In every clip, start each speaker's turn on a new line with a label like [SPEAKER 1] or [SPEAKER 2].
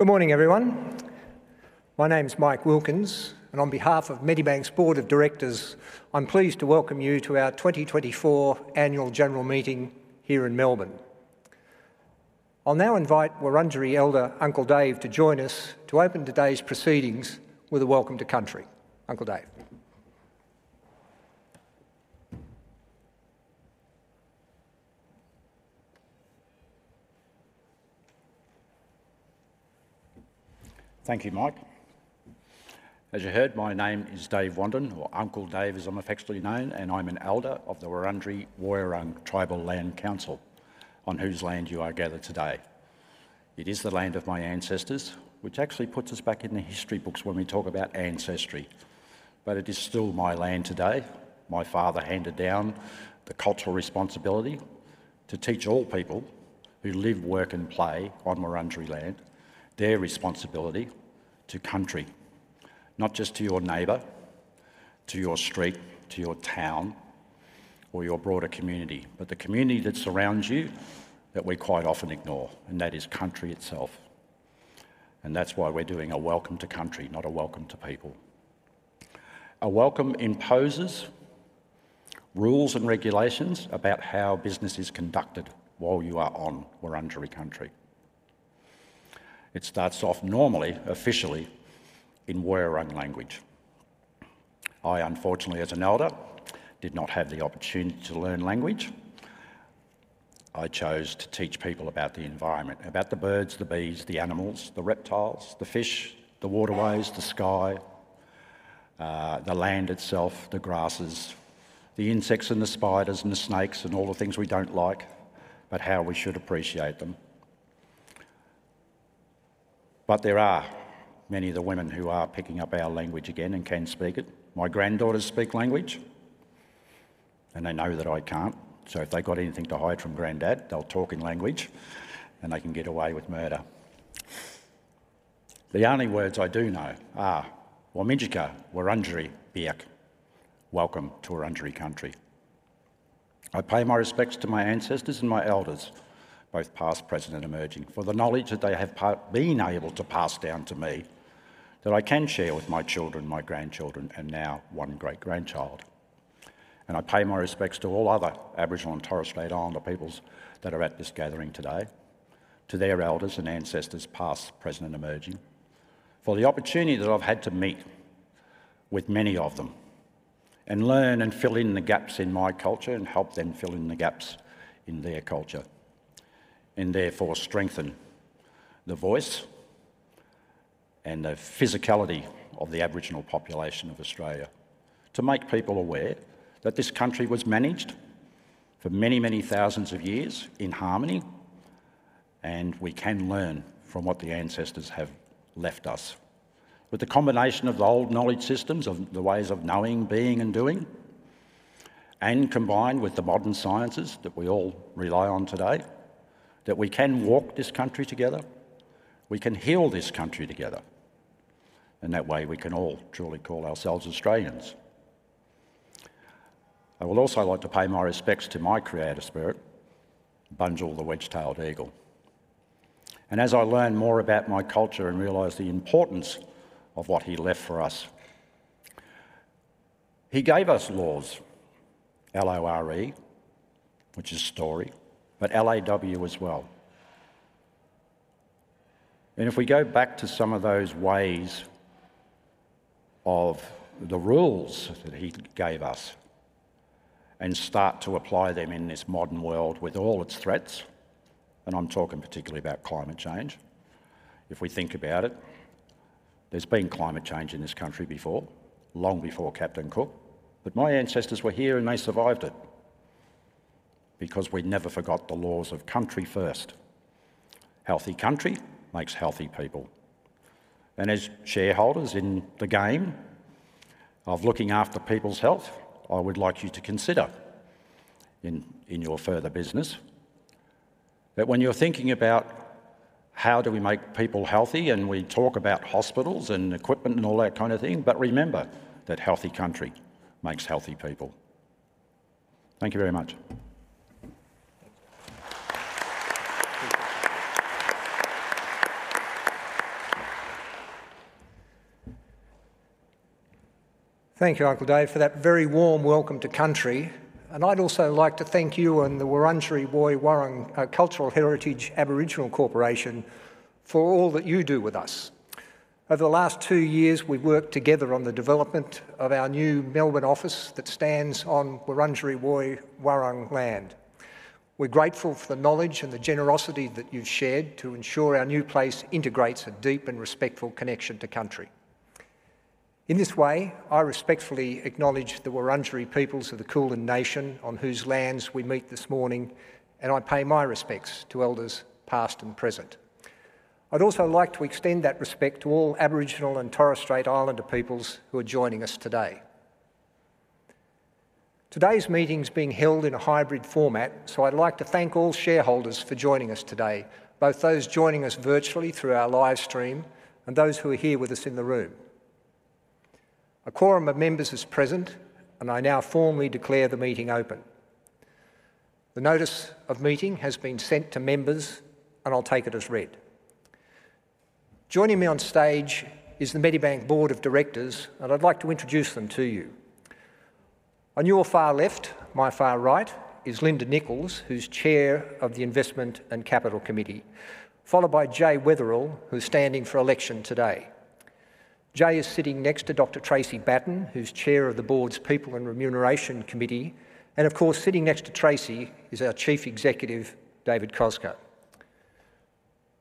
[SPEAKER 1] Good morning, everyone. My name's Mike Wilkins, and on behalf of Medibank's Board of Directors, I'm pleased to welcome you to our 2024 Annual General Meeting here in Melbourne. I'll now invite Wurundjeri Elder, Uncle Dave, to join us to open today's proceedings with a welcome to country. Uncle Dave.
[SPEAKER 2] Thank you, Mike. As you heard, my name is Dave Wandin, or Uncle Dave as I'm affectionately known, and I'm an Elder of the Wurundjeri Woi-wurrung Tribal Land Council on whose land you are gathered today. It is the land of my ancestors, which actually puts us back in the history books when we talk about ancestry, but it is still my land today. My father handed down the cultural responsibility to teach all people who live, work, and play on Wurundjeri land their responsibility to country, not just to your neighbor, to your street, to your town, or your broader community, but the community that surrounds you that we quite often ignore, and that is country itself. And that's why we're doing a welcome to country, not a welcome to people. A welcome imposes rules and regulations about how business is conducted while you are on Wurundjeri Country. It starts off normally, officially, in Woi-wurrung language. I, unfortunately, as an Elder, did not have the opportunity to learn language. I chose to teach people about the environment, about the birds, the bees, the animals, the reptiles, the fish, the waterways, the sky, the land itself, the grasses, the insects and the spiders and the snakes and all the things we don't like, but how we should appreciate them. But there are many of the women who are picking up our language again and can speak it. My granddaughters speak language, and they know that I can't, so if they've got anything to hide from Grandad, they'll talk in language, and they can get away with murder. The only words I do know are Wominjeka, Wurundjeri, Biik. Welcome to Wurundjeri Country. I pay my respects to my ancestors and my Elders, both past, present, and emerging, for the knowledge that they have been able to pass down to me that I can share with my children, my grandchildren, and now one great-grandchild, and I pay my respects to all other Aboriginal and Torres Strait Islander peoples that are at this gathering today, to their Elders and ancestors, past, present, and emerging, for the opportunity that I've had to meet with many of them and learn and fill in the gaps in my culture and help them fill in the gaps in their culture, and therefore strengthen the voice and the physicality of the Aboriginal population of Australia to make people aware that this country was managed for many, many thousands of years in harmony, and we can learn from what the ancestors have left us. With the combination of the old knowledge systems of the ways of knowing, being, and doing, and combined with the modern sciences that we all rely on today, that we can walk this country together, we can heal this country together, and that way we can all truly call ourselves Australians. I would also like to pay my respects to my creator spirit, Bunjil the Wedge-tailed Eagle, and as I learn more about my culture and realize the importance of what he left for us, he gave us laws, L-O-R-E, which is story, but L-A-W as well. And if we go back to some of those ways of the rules that he gave us and start to apply them in this modern world with all its threats, and I'm talking particularly about climate change. If we think about it, there's been climate change in this country before, long before Captain Cook, but my ancestors were here and they survived it because we never forgot the laws of country first. Healthy country makes healthy people. And as shareholders in the game of looking after people's health, I would like you to consider in your further business that when you're thinking about how do we make people healthy and we talk about hospitals and equipment and all that kind of thing, but remember that healthy country makes healthy people. Thank you very much.
[SPEAKER 1] Thank you, Uncle Dave, for that very warm welcome to Country, and I'd also like to thank you and the Wurundjeri Woi-wurrung Cultural Heritage Aboriginal Corporation for all that you do with us. Over the last two years, we've worked together on the development of our new Melbourne office that stands on Wurundjeri Woi Wurrung land. We're grateful for the knowledge and the generosity that you've shared to ensure our new place integrates a deep and respectful connection to Country. In this way, I respectfully acknowledge the Wurundjeri peoples of the Kulin Nation on whose lands we meet this morning, and I pay my respects to Elders past and present. I'd also like to extend that respect to all Aboriginal and Torres Strait Islander peoples who are joining us today. Today's meeting's being held in a hybrid format, so I'd like to thank all shareholders for joining us today, both those joining us virtually through our live stream and those who are here with us in the room. A quorum of members is present, and I now formally declare the meeting open. The notice of meeting has been sent to members, and I'll take it as read. Joining me on stage is the Medibank Board of Directors, and I'd like to introduce them to you. On your far left, my far right, is Linda Nicholls, who's chair of the Investment and Capital Committee, followed by Jay Weatherill, who's standing for election today. Jay is sitting next to Dr. Tracy Batten, who's chair of the Board's People and Remuneration Committee, and of course, sitting next to Tracy is our Chief Executive, David Koczkar.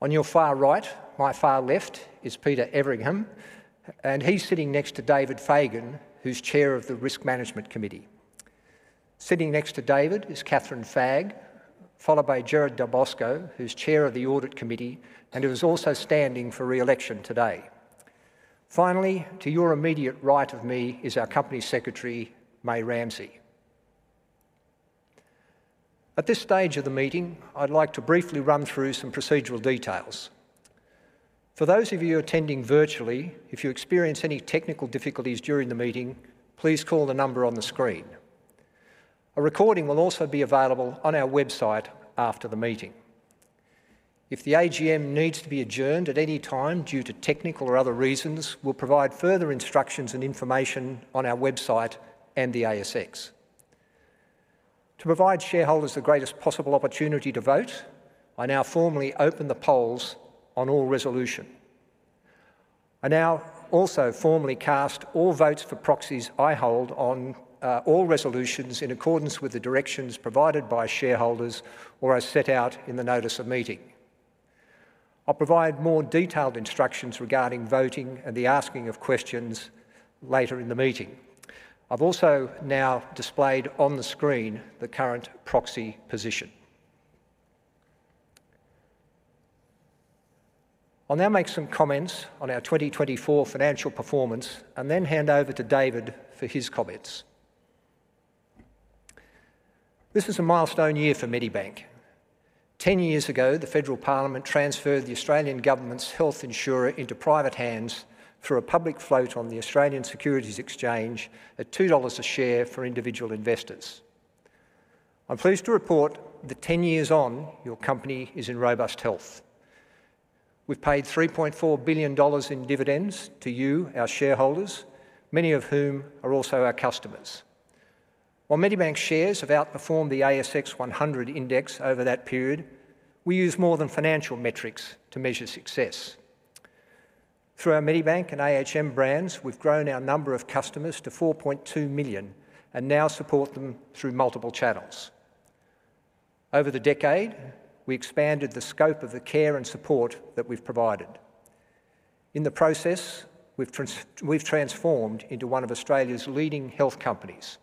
[SPEAKER 1] On your far right, my far left is Peter Everingham, and he's sitting next to David Fagan, who's Chair of the Risk Management Committee. Sitting next to David is Kathryn Fagg, followed by Gerard Dalbosco, who's Chair of the Audit Committee and who's also standing for re-election today. Finally, to your immediate right of me is our company secretary, Mei Ramsay. At this stage of the meeting, I'd like to briefly run through some procedural details. For those of you attending virtually, if you experience any technical difficulties during the meeting, please call the number on the screen. A recording will also be available on our website after the meeting. If the AGM needs to be adjourned at any time due to technical or other reasons, we'll provide further instructions and information on our website and the ASX. To provide shareholders the greatest possible opportunity to vote, I now formally open the polls on all resolutions. I now also formally cast all votes for proxies I hold on all resolutions in accordance with the directions provided by shareholders or as set out in the notice of meeting. I'll provide more detailed instructions regarding voting and the asking of questions later in the meeting. I've also now displayed on the screen the current proxy position. I'll now make some comments on our 2024 financial performance and then hand over to David for his comments. This is a milestone year for Medibank. Ten years ago, the Federal Parliament transferred the Australian government's health insurer into private hands through a public float on the Australian Securities Exchange at 2 dollars a share for individual investors. I'm pleased to report that ten years on, your company is in robust health. We've paid 3.4 billion dollars in dividends to you, our shareholders, many of whom are also our customers. While Medibank's shares have outperformed the ASX 100 index over that period, we use more than financial metrics to measure success. Through our Medibank and ahm brands, we've grown our number of customers to 4.2 million and now support them through multiple channels. Over the decade, we expanded the scope of the care and support that we've provided. In the process, we've transformed into one of Australia's leading health companies.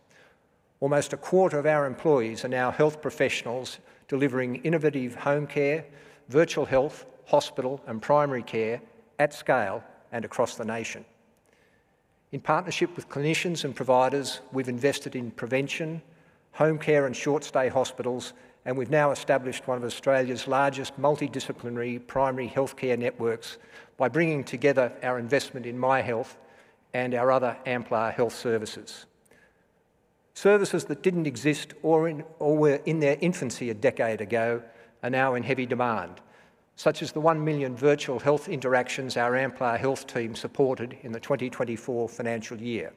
[SPEAKER 1] Almost a quarter of our employees are now health professionals delivering innovative home care, virtual health, hospital, and primary care at scale and across the nation. In partnership with clinicians and providers, we've invested in prevention, home care and short-stay hospitals, and we've now established one of Australia's largest multidisciplinary primary healthcare networks by bringing together our investment in Myhealth and our other Amplar Health services. Services that didn't exist or were in their infancy a decade ago are now in heavy demand, such as the one million virtual health interactions our Amplar Health team supported in the 2024 financial year,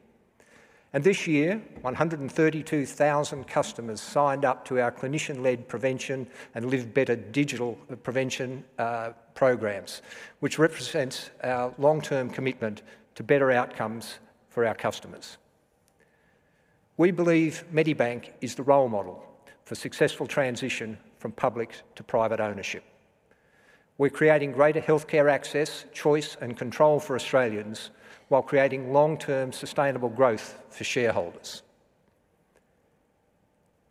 [SPEAKER 1] and this year, 132,000 customers signed up to our clinician-led prevention and Live Better digital prevention programs, which represents our long-term commitment to better outcomes for our customers. We believe Medibank is the role model for successful transition from public to private ownership. We're creating greater healthcare access, choice, and control for Australians while creating long-term sustainable growth for shareholders.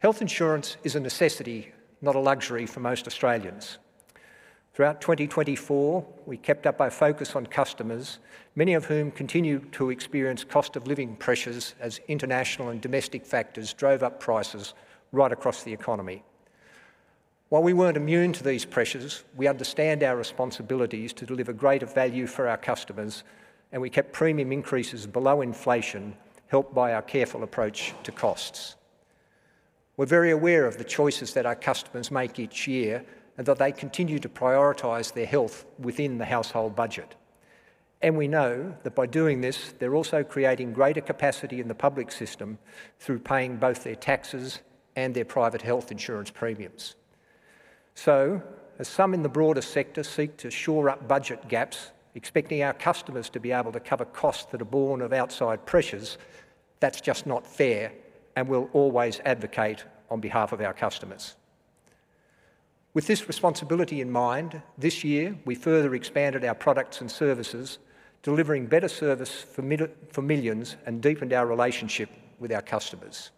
[SPEAKER 1] Health insurance is a necessity, not a luxury for most Australians. Throughout 2024, we kept up our focus on customers, many of whom continued to experience cost of living pressures as international and domestic factors drove up prices right across the economy. While we weren't immune to these pressures, we understand our responsibilities to deliver greater value for our customers, and we kept premium increases below inflation, helped by our careful approach to costs. We're very aware of the choices that our customers make each year and that they continue to prioritize their health within the household budget, and we know that by doing this, they're also creating greater capacity in the public system through paying both their taxes and their private health insurance premiums. As some in the broader sector seek to shore up budget gaps, expecting our customers to be able to cover costs that are borne of outside pressures, that's just not fair, and we'll always advocate on behalf of our customers. With this responsibility in mind, this year, we further expanded our products and services, delivering better service for millions and deepened our relationship with our customers.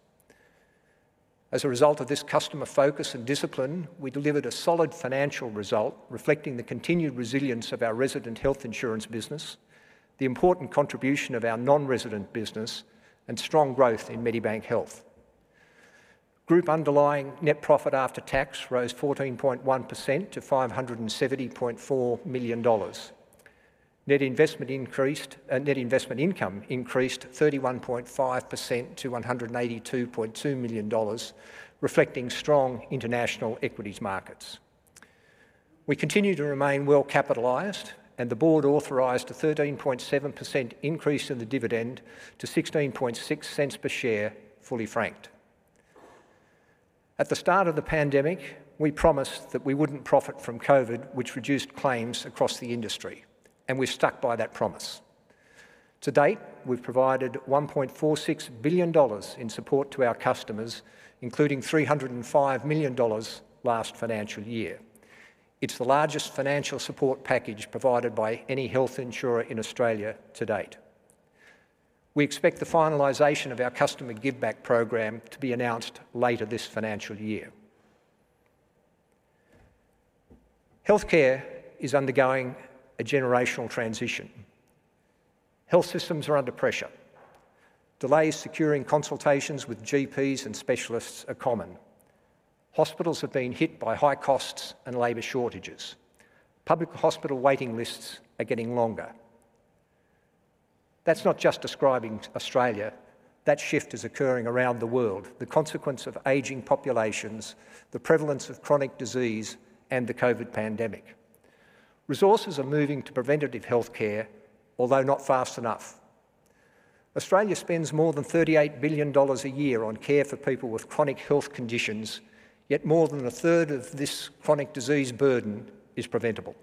[SPEAKER 1] As a result of this customer focus and discipline, we delivered a solid financial result reflecting the continued resilience of our resident health insurance business, the important contribution of our non-resident business, and strong growth in Medibank Health. Group underlying net profit after tax rose 14.1% to AUD 570.4 million. Net investment income increased 31.5% to 182.2 million dollars, reflecting strong international equities markets. We continue to remain well capitalized, and the board authorized a 13.7% increase in the dividend to 16.60 per share, fully franked. At the start of the pandemic, we promised that we wouldn't profit from COVID, which reduced claims across the industry, and we've stuck by that promise. To date, we've provided 1.46 billion dollars in support to our customers, including 305 million dollars last financial year. It's the largest financial support package provided by any health insurer in Australia to date. We expect the finalisation of our customer give-back program to be announced later this financial year. Healthcare is undergoing a generational transition. Health systems are under pressure. Delays securing consultations with GPs and specialists are common. Hospitals have been hit by high costs and labor shortages. Public hospital waiting lists are getting longer. That's not just describing Australia. That shift is occurring around the world, the consequence of aging populations, the prevalence of chronic disease, and the COVID pandemic. Resources are moving to preventative healthcare, although not fast enough. Australia spends more than 38 billion dollars a year on care for people with chronic health conditions, yet more than a third of this chronic disease burden is preventable.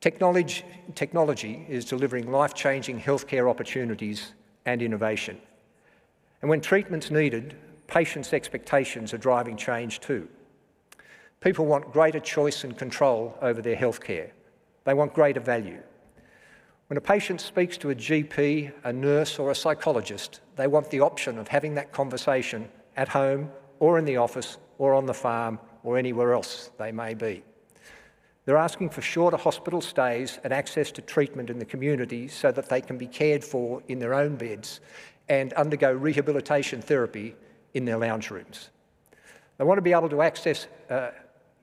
[SPEAKER 1] Technology is delivering life-changing healthcare opportunities and innovation, and when treatment's needed, patients' expectations are driving change too. People want greater choice and control over their healthcare. They want greater value. When a patient speaks to a GP, a nurse, or a psychologist, they want the option of having that conversation at home or in the office or on the farm or anywhere else they may be. They're asking for shorter hospital stays and access to treatment in the community so that they can be cared for in their own beds and undergo rehabilitation therapy in their lounge rooms. They want to be able to access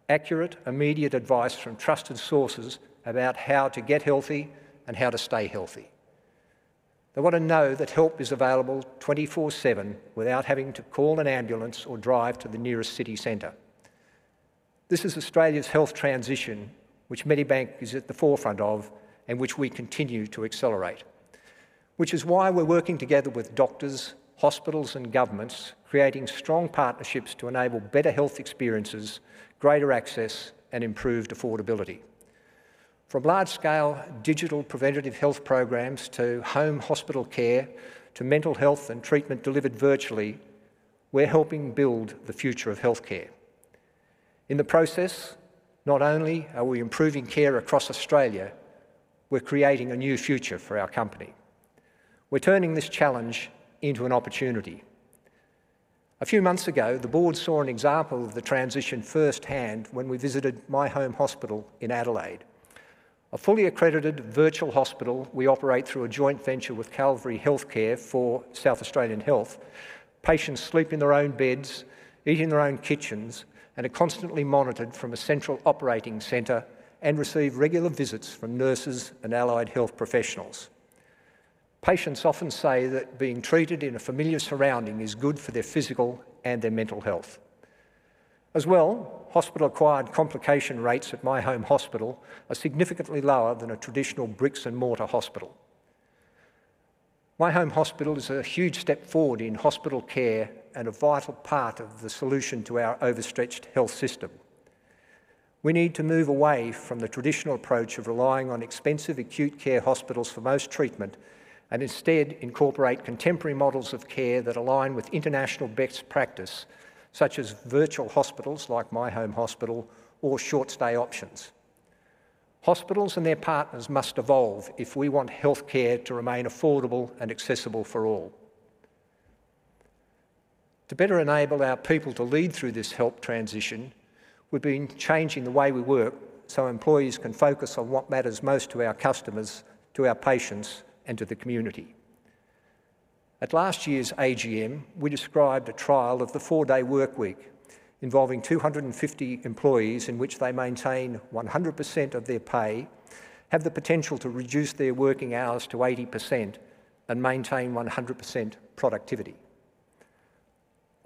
[SPEAKER 1] accurate, immediate advice from trusted sources about how to get healthy and how to stay healthy. They want to know that help is available 24/7 without having to call an ambulance or drive to the nearest city center. This is Australia's health transition, which Medibank is at the forefront of and which we continue to accelerate, which is why we're working together with doctors, hospitals, and governments, creating strong partnerships to enable better health experiences, greater access, and improved affordability. From large-scale digital preventative health programs to home hospital care to mental health and treatment delivered virtually, we're helping build the future of healthcare. In the process, not only are we improving care across Australia, we're creating a new future for our company. We're turning this challenge into an opportunity. A few months ago, the board saw an example of the transition firsthand when we visited My Home Hospital in Adelaide. A fully accredited virtual hospital, we operate through a joint venture with Calvary Health Care for SA Health. Patients sleep in their own beds, eat in their own kitchens, and are constantly monitored from a central operating center and receive regular visits from nurses and allied health professionals. Patients often say that being treated in a familiar surrounding is good for their physical and their mental health. As well, hospital-acquired complication rates at My Home Hospital are significantly lower than a traditional bricks-and-mortar hospital. My Home Hospital is a huge step forward in hospital care and a vital part of the solution to our overstretched health system. We need to move away from the traditional approach of relying on expensive acute care hospitals for most treatment and instead incorporate contemporary models of care that align with international best practice, such as virtual hospitals like My Home Hospital or short-stay options. Hospitals and their partners must evolve if we want healthcare to remain affordable and accessible for all. To better enable our people to lead through this health transition, we've been changing the way we work so employees can focus on what matters most to our customers, to our patients, and to the community. At last year's AGM, we described a trial of the four-day workweek involving 250 employees in which they maintain 100% of their pay, have the potential to reduce their working hours to 80%, and maintain 100% productivity.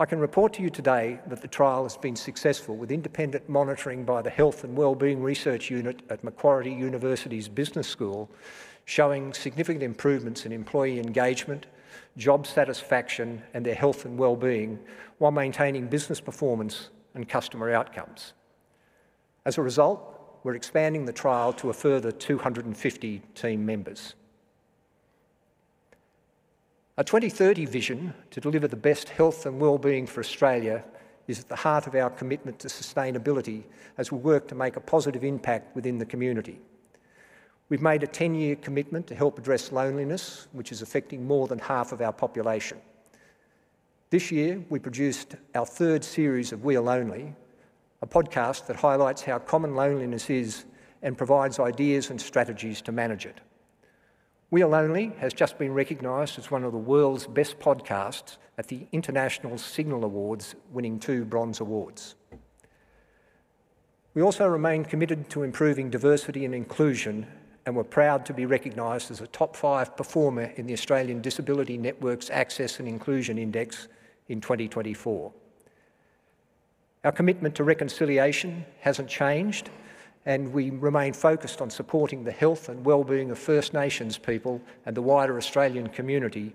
[SPEAKER 1] I can report to you today that the trial has been successful with independent monitoring by the Health and Wellbeing Research Unit at Macquarie University's Business School, showing significant improvements in employee engagement, job satisfaction, and their health and wellbeing while maintaining business performance and customer outcomes. As a result, we're expanding the trial to a further 250 team members. Our 2030 vision to deliver the best health and wellbeing for Australia is at the heart of our commitment to sustainability as we work to make a positive impact within the community. We've made a ten-year commitment to help address loneliness, which is affecting more than half of our population. This year, we produced our third series of We Are Lonely, a podcast that highlights how common loneliness is and provides ideas and strategies to manage it. We Are Lonely has just been recognized as one of the world's best podcasts at the International Signal Awards, winning two Bronze Awards. We also remain committed to improving diversity and inclusion and were proud to be recognized as a top five performer in the Australian Disability Network's Access and Inclusion Index in 2024. Our commitment to reconciliation hasn't changed, and we remain focused on supporting the health and wellbeing of First Nations people and the wider Australian community,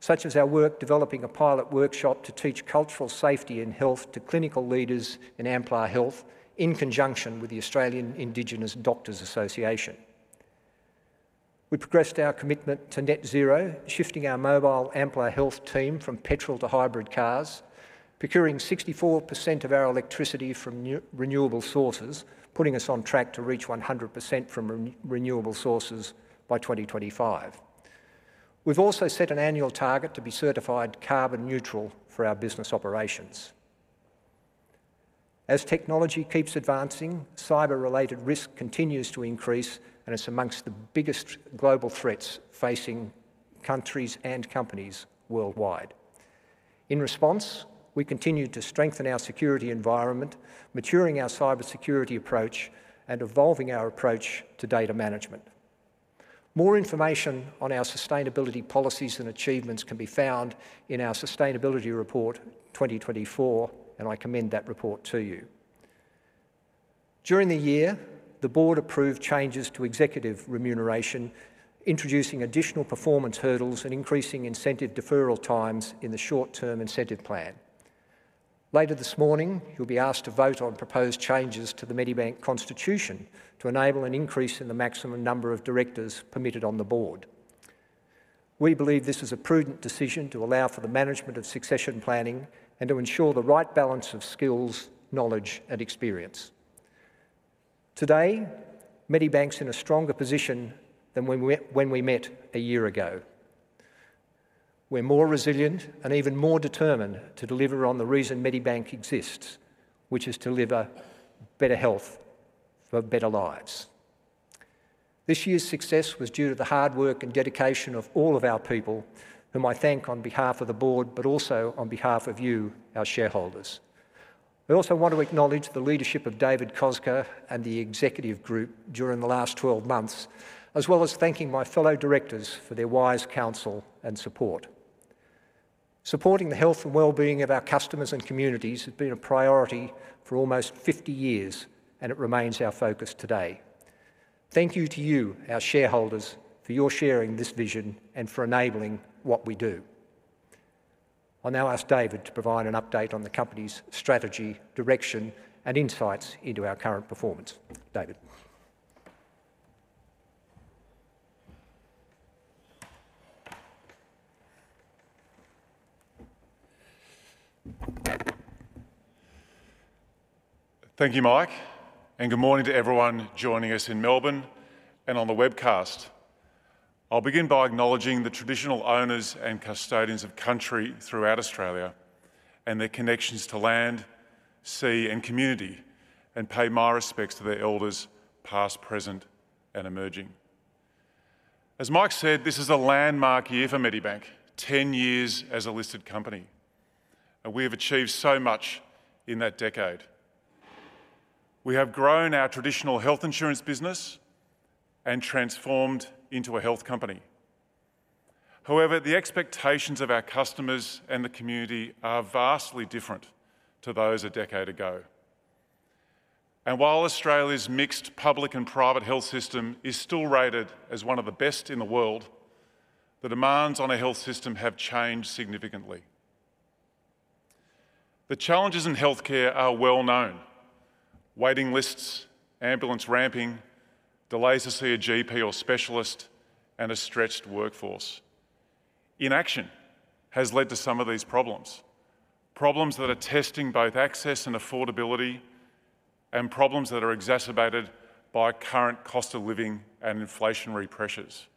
[SPEAKER 1] such as our work developing a pilot workshop to teach cultural safety and health to clinical leaders in Amplar Health in conjunction with the Australian Indigenous Doctors Association. We progressed our commitment to net zero, shifting our mobile Amplar Health team from petrol to hybrid cars, procuring 64% of our electricity from renewable sources, putting us on track to reach 100% from renewable sources by 2025. We've also set an annual target to be certified carbon neutral for our business operations. As technology keeps advancing, cyber-related risk continues to increase, and it's among the biggest global threats facing countries and companies worldwide. In response, we continue to strengthen our security environment, maturing our cybersecurity approach and evolving our approach to data management. More information on our sustainability policies and achievements can be found in our Sustainability Report 2024, and I commend that report to you. During the year, the board approved changes to executive remuneration, introducing additional performance hurdles and increasing incentive deferral times in the short-term incentive plan. Later this morning, you'll be asked to vote on proposed changes to the Medibank Constitution to enable an increase in the maximum number of directors permitted on the board. We believe this is a prudent decision to allow for the management of succession planning and to ensure the right balance of skills, knowledge, and experience. Today, Medibank's in a stronger position than when we met a year ago. We're more resilient and even more determined to deliver on the reason Medibank exists, which is to deliver better health for better lives. This year's success was due to the hard work and dedication of all of our people, whom I thank on behalf of the board, but also on behalf of you, our shareholders. We also want to acknowledge the leadership of David Koczkar and the executive group during the last 12 months, as well as thanking my fellow directors for their wise counsel and support. Supporting the health and wellbeing of our customers and communities has been a priority for almost 50 years, and it remains our focus today. Thank you to you, our shareholders, for your sharing this vision and for enabling what we do. I'll now ask David to provide an update on the company's strategy, direction, and insights into our current performance. David.
[SPEAKER 3] Thank you, Mike, and good morning to everyone joining us in Melbourne and on the webcast. I'll begin by acknowledging the traditional owners and custodians of country throughout Australia and their connections to land, sea, and community, and pay my respects to their elders, past, present, and emerging. As Mike said, this is a landmark year for Medibank, 10 years as a listed company, and we have achieved so much in that decade. We have grown our traditional health insurance business and transformed into a health company. However, the expectations of our customers and the community are vastly different to those a decade ago. And while Australia's mixed public and private health system is still rated as one of the best in the world, the demands on a health system have changed significantly. The challenges in healthcare are well known: waiting lists, ambulance ramping, delays to see a GP or specialist, and a stretched workforce. Inaction has led to some of these problems, problems that are testing both access and affordability, and problems that are exacerbated by current cost of living and inflationary pressures.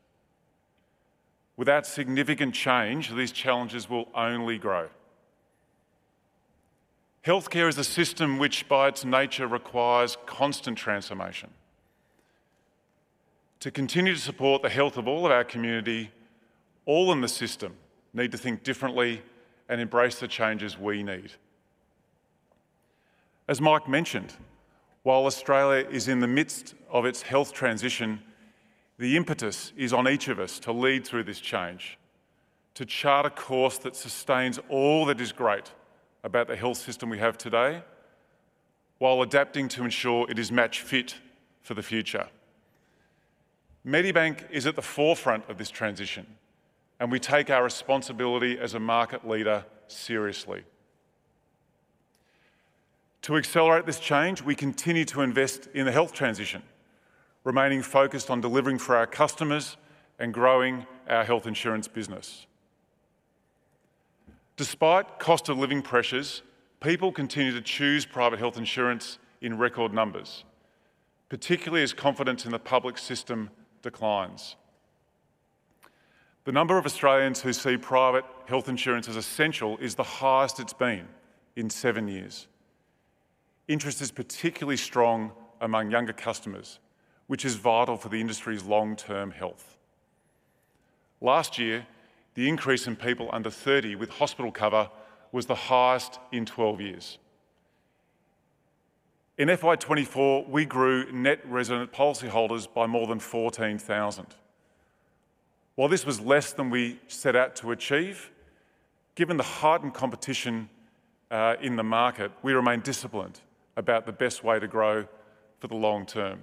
[SPEAKER 3] Without significant change, these challenges will only grow. Healthcare is a system which, by its nature, requires constant transformation. To continue to support the health of all of our community, all in the system need to think differently and embrace the changes we need. As Mike mentioned, while Australia is in the midst of its health transition, the impetus is on each of us to lead through this change, to chart a course that sustains all that is great about the health system we have today while adapting to ensure it is match fit for the future. Medibank is at the forefront of this transition, and we take our responsibility as a market leader seriously. To accelerate this change, we continue to invest in the health transition, remaining focused on delivering for our customers and growing our health insurance business. Despite cost of living pressures, people continue to choose private health insurance in record numbers, particularly as confidence in the public system declines. The number of Australians who see private health insurance as essential is the highest it's been in seven years. Interest is particularly strong among younger customers, which is vital for the industry's long-term health. Last year, the increase in people under 30 with hospital cover was the highest in 12 years. In FY24, we grew net resident policyholders by more than 14,000. While this was less than we set out to achieve, given the heightened competition in the market, we remain disciplined about the best way to grow for the long term.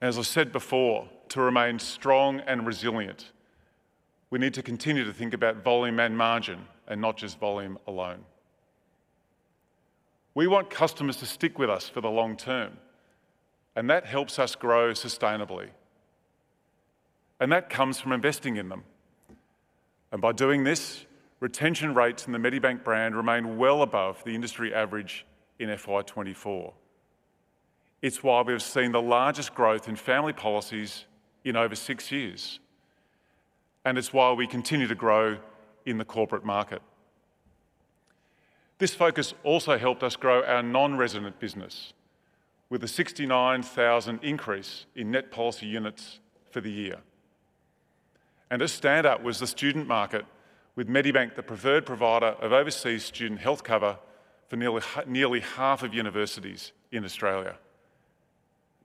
[SPEAKER 3] As I said before, to remain strong and resilient, we need to continue to think about volume and margin and not just volume alone. We want customers to stick with us for the long term, and that helps us grow sustainably, and that comes from investing in them, and by doing this, retention rates in the Medibank brand remain well above the industry average in FY24. It's why we've seen the largest growth in family policies in over six years, and it's why we continue to grow in the corporate market. This focus also helped us grow our non-resident business with a 69,000 increase in net policy units for the year, and a standout was the student market, with Medibank the preferred provider of overseas student health cover for nearly half of universities in Australia,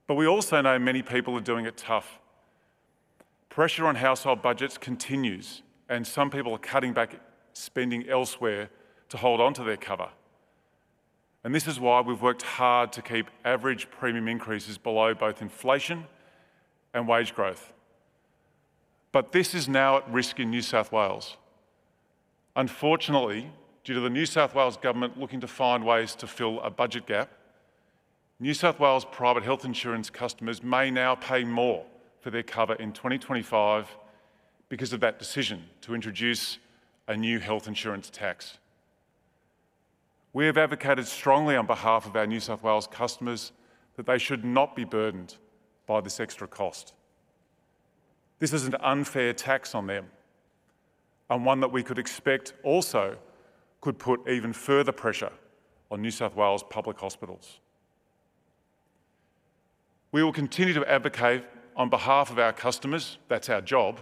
[SPEAKER 3] but we also know many people are doing it tough. Pressure on household budgets continues, and some people are cutting back spending elsewhere to hold onto their cover. This is why we've worked hard to keep average premium increases below both inflation and wage growth. This is now at risk in New South Wales. Unfortunately, due to the New South Wales Government looking to find ways to fill a budget gap, New South Wales private health insurance customers may now pay more for their cover in 2025 because of that decision to introduce a new health insurance tax. We have advocated strongly on behalf of our New South Wales customers that they should not be burdened by this extra cost. This is an unfair tax on them and one that we could expect also could put even further pressure on New South Wales public hospitals. We will continue to advocate on behalf of our customers. That's our job,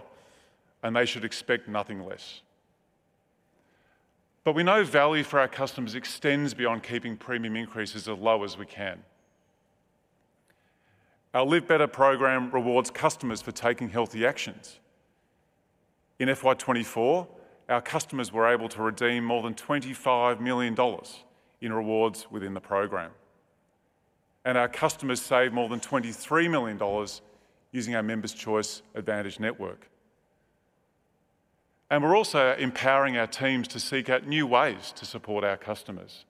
[SPEAKER 3] and they should expect nothing less. But we know value for our customers extends beyond keeping premium increases as low as we can. Our Live Better program rewards customers for taking healthy actions. In FY24, our customers were able to redeem more than 25 million dollars in rewards within the program. And our customers saved more than 23 million dollars using our Members' Choice Advantage Network. And we're also empowering our teams to seek out new ways to support our customers.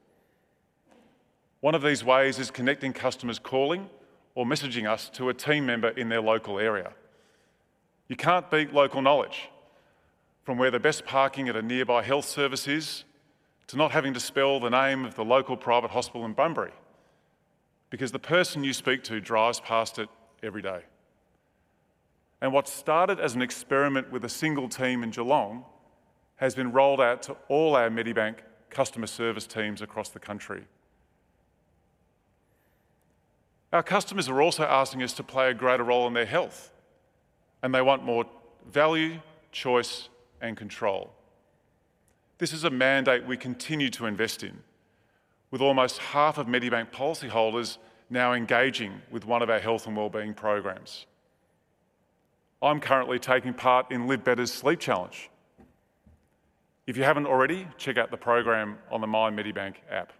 [SPEAKER 3] One of these ways is connecting customers calling or messaging us to a team member in their local area. You can't beat local knowledge, from where the best parking at a nearby health service is to not having to spell the name of the local private hospital in Bunbury, because the person you speak to drives past it every day. What started as an experiment with a single team in Geelong has been rolled out to all our Medibank customer service teams across the country. Our customers are also asking us to play a greater role in their health, and they want more value, choice, and control. This is a mandate we continue to invest in, with almost half of Medibank policyholders now engaging with one of our health and wellbeing programs. I'm currently taking part in Live Better's Sleep Challenge. If you haven't already, check out the program on the My Medibank app.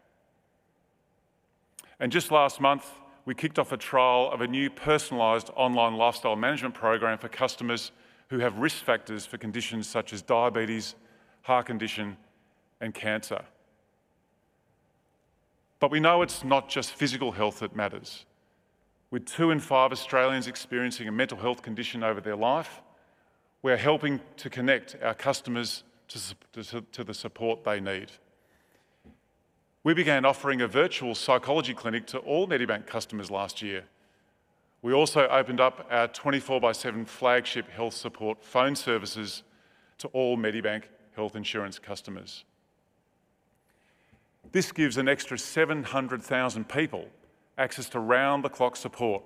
[SPEAKER 3] Just last month, we kicked off a trial of a new personalized online lifestyle management program for customers who have risk factors for conditions such as diabetes, heart condition, and cancer. We know it's not just physical health that matters. With two in five Australians experiencing a mental health condition over their life, we're helping to connect our customers to the support they need. We began offering a virtual psychology clinic to all Medibank customers last year. We also opened up our 24/7 flagship health support phone services to all Medibank health insurance customers. This gives an extra 700,000 people access to round-the-clock support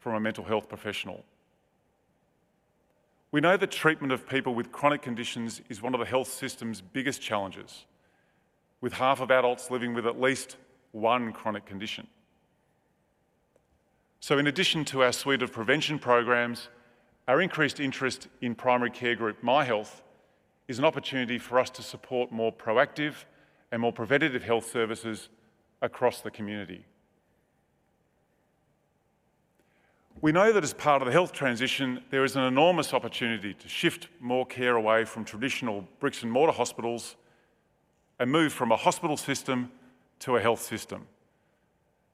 [SPEAKER 3] from a mental health professional. We know that treatment of people with chronic conditions is one of the health system's biggest challenges, with half of adults living with at least one chronic condition. So, in addition to our suite of prevention programs, our increased interest in primary care group Myhealth is an opportunity for us to support more proactive and more preventative health services across the community. We know that as part of the health transition, there is an enormous opportunity to shift more care away from traditional bricks-and-mortar hospitals and move from a hospital system to a health system.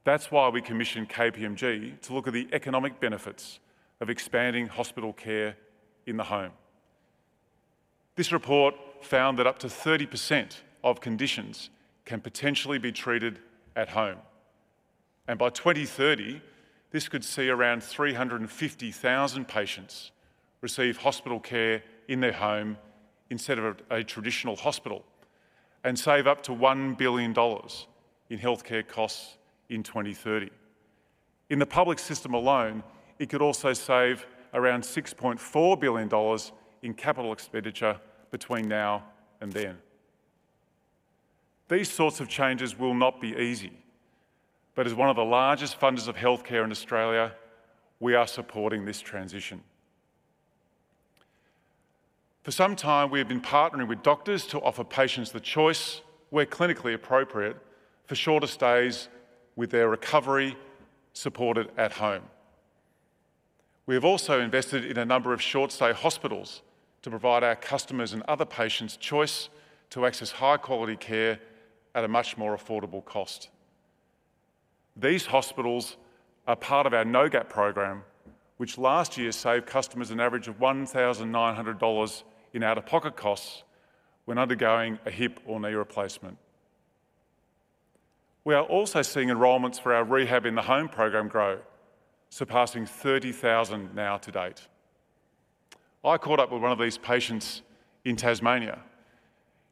[SPEAKER 3] That's why we commissioned KPMG to look at the economic benefits of expanding hospital care in the home. This report found that up to 30% of conditions can potentially be treated at home, and by 2030, this could see around 350,000 patients receive hospital care in their home instead of a traditional hospital and save up to 1 billion dollars in healthcare costs in 2030. In the public system alone, it could also save around 6.4 billion dollars in capital expenditure between now and then. These sorts of changes will not be easy, but as one of the largest funders of healthcare in Australia, we are supporting this transition. For some time, we have been partnering with doctors to offer patients the choice, where clinically appropriate, for shorter stays with their recovery supported at home. We have also invested in a number of short-stay hospitals to provide our customers and other patients choice to access high-quality care at a much more affordable cost. These hospitals are part of our No Gap program, which last year saved customers an average of 1,900 dollars in out-of-pocket costs when undergoing a hip or knee replacement. We are also seeing enrolments for our Rehab in the Home program grow, surpassing 30,000 now to date. I caught up with one of these patients in Tasmania.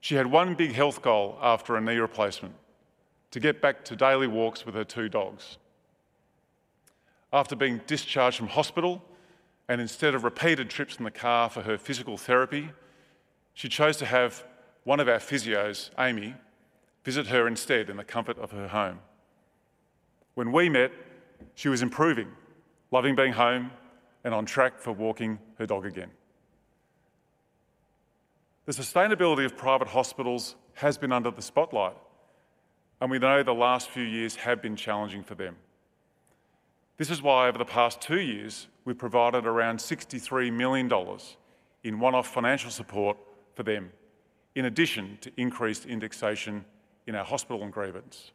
[SPEAKER 3] She had one big health goal after a knee replacement: to get back to daily walks with her two dogs. After being discharged from hospital and instead of repeated trips in the car for her physical therapy, she chose to have one of our physios, Amy, visit her instead in the comfort of her home. When we met, she was improving, loving being home, and on track for walking her dog again. The sustainability of private hospitals has been under the spotlight, and we know the last few years have been challenging for them. This is why, over the past two years, we've provided around 63 million dollars in one-off financial support for them, in addition to increased indexation in our hospital agreements.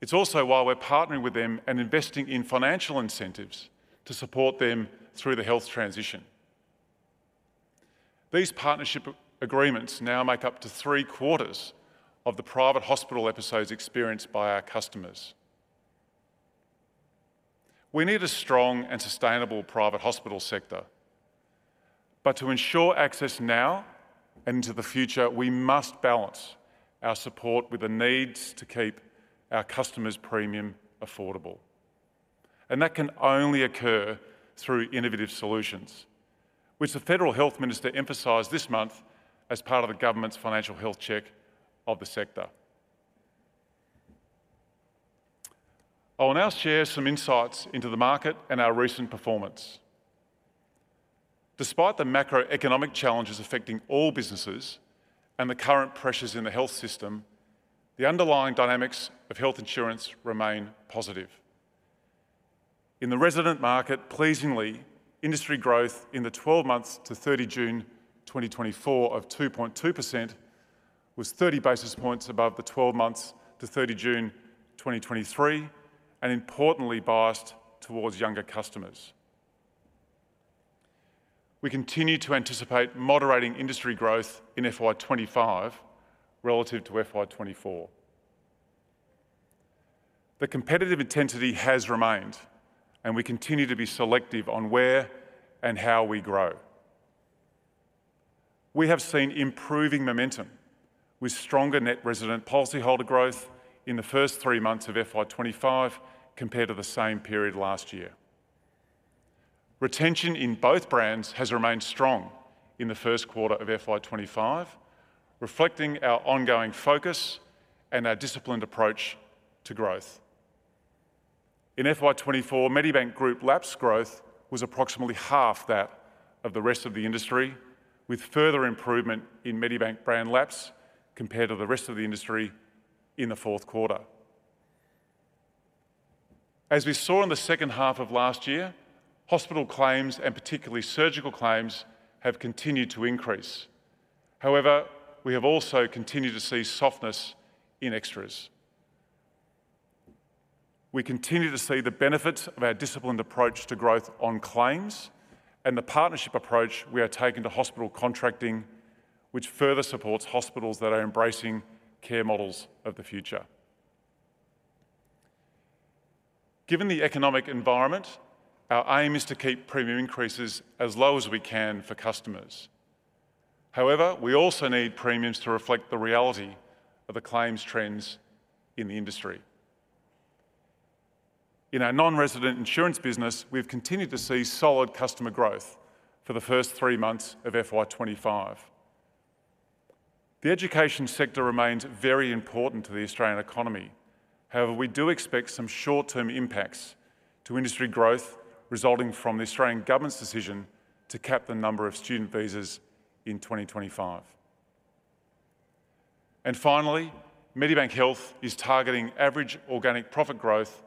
[SPEAKER 3] It's also why we're partnering with them and investing in financial incentives to support them through the health transition. These partnership agreements now make up to three-quarters of the private hospital episodes experienced by our customers. We need a strong and sustainable private hospital sector. To ensure access now and into the future, we must balance our support with the needs to keep our customers' premium affordable. That can only occur through innovative solutions, which the Federal Health Minister emphasised this month as part of the government's financial health check of the sector. I will now share some insights into the market and our recent performance. Despite the macroeconomic challenges affecting all businesses and the current pressures in the health system, the underlying dynamics of health insurance remain positive. In the resident market, pleasingly, industry growth in the 12 months to 30 June 2024 of 2.2% was 30 basis points above the 12 months to 30 June 2023 and importantly biased towards younger customers. We continue to anticipate moderating industry growth in FY25 relative to FY24. The competitive intensity has remained, and we continue to be selective on where and how we grow. We have seen improving momentum with stronger net resident policyholder growth in the first three months of FY25 compared to the same period last year. Retention in both brands has remained strong in the first quarter of FY25, reflecting our ongoing focus and our disciplined approach to growth. In FY24, Medibank Group lapse growth was approximately half that of the rest of the industry, with further improvement in Medibank brand Lapse compared to the rest of the industry in the fourth quarter. As we saw in the second half of last year, hospital claims, and particularly surgical claims, have continued to increase. However, we have also continued to see softness in extras. We continue to see the benefits of our disciplined approach to growth on claims and the partnership approach we are taking to hospital contracting, which further supports hospitals that are embracing care models of the future. Given the economic environment, our aim is to keep premium increases as low as we can for customers. However, we also need premiums to reflect the reality of the claims trends in the industry. In our non-resident insurance business, we have continued to see solid customer growth for the first three months of FY25. The education sector remains very important to the Australian economy. However, we do expect some short-term impacts to industry growth resulting from the Australian government's decision to cap the number of student visas in 2025. Finally, Medibank Health is targeting average organic profit growth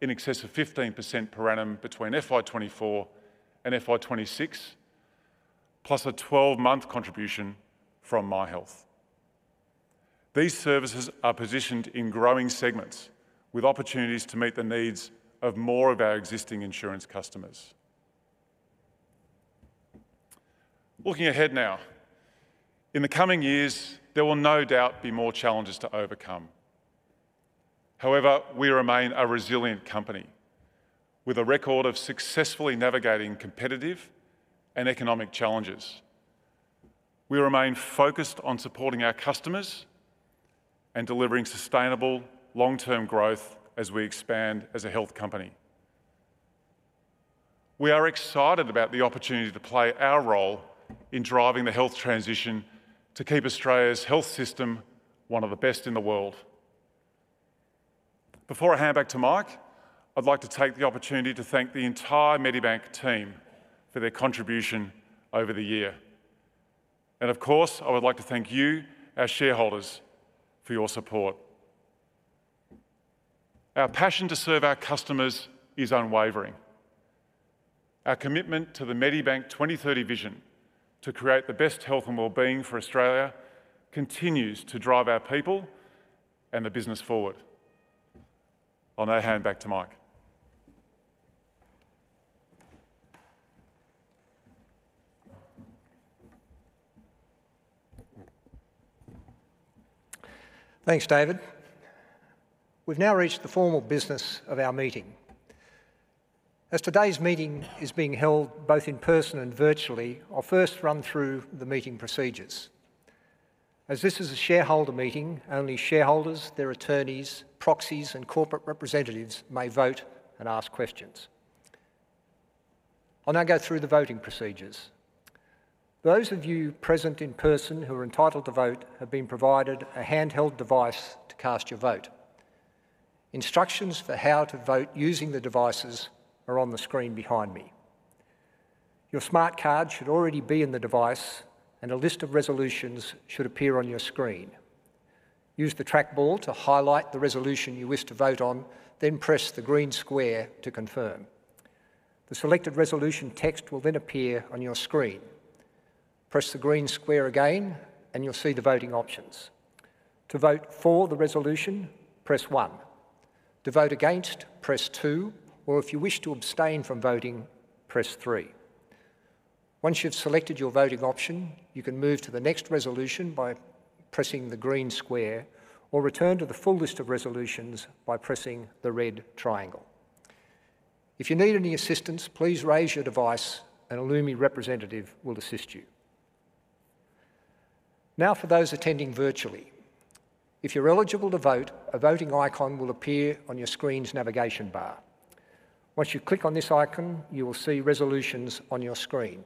[SPEAKER 3] in excess of 15% per annum between FY24 and FY26, plus a 12-month contribution from Myhealth. These services are positioned in growing segments, with opportunities to meet the needs of more of our existing insurance customers. Looking ahead now, in the coming years, there will no doubt be more challenges to overcome. However, we remain a resilient company, with a record of successfully navigating competitive and economic challenges. We remain focused on supporting our customers and delivering sustainable long-term growth as we expand as a health company. We are excited about the opportunity to play our role in driving the health transition to keep Australia's health system one of the best in the world. Before I hand back to Mike, I'd like to take the opportunity to thank the entire Medibank team for their contribution over the year. And of course, I would like to thank you, our shareholders, for your support. Our passion to serve our customers is unwavering. Our commitment to the Medibank 2030 vision to create the best health and wellbeing for Australia continues to drive our people and the business forward. I'll now hand back to Mike.
[SPEAKER 1] Thanks, David. We've now reached the formal business of our meeting. As today's meeting is being held both in person and virtually, I'll first run through the meeting procedures. As this is a shareholder meeting, only shareholders, their attorneys, proxies, and corporate representatives may vote and ask questions. I'll now go through the voting procedures. Those of you present in person who are entitled to vote have been provided a handheld device to cast your vote. Instructions for how to vote using the devices are on the screen behind me. Your smart card should already be in the device, and a list of resolutions should appear on your screen. Use the trackball to highlight the resolution you wish to vote on, then press the green square to confirm. The selected resolution text will then appear on your screen. Press the green square again, and you'll see the voting options. To vote for the resolution, press one. To vote against, press two, or if you wish to abstain from voting, press three. Once you've selected your voting option, you can move to the next resolution by pressing the green square or return to the full list of resolutions by pressing the red triangle. If you need any assistance, please raise your device, and a Lumi representative will assist you. Now, for those attending virtually, if you're eligible to vote, a voting icon will appear on your screen's navigation bar. Once you click on this icon, you will see resolutions on your screen.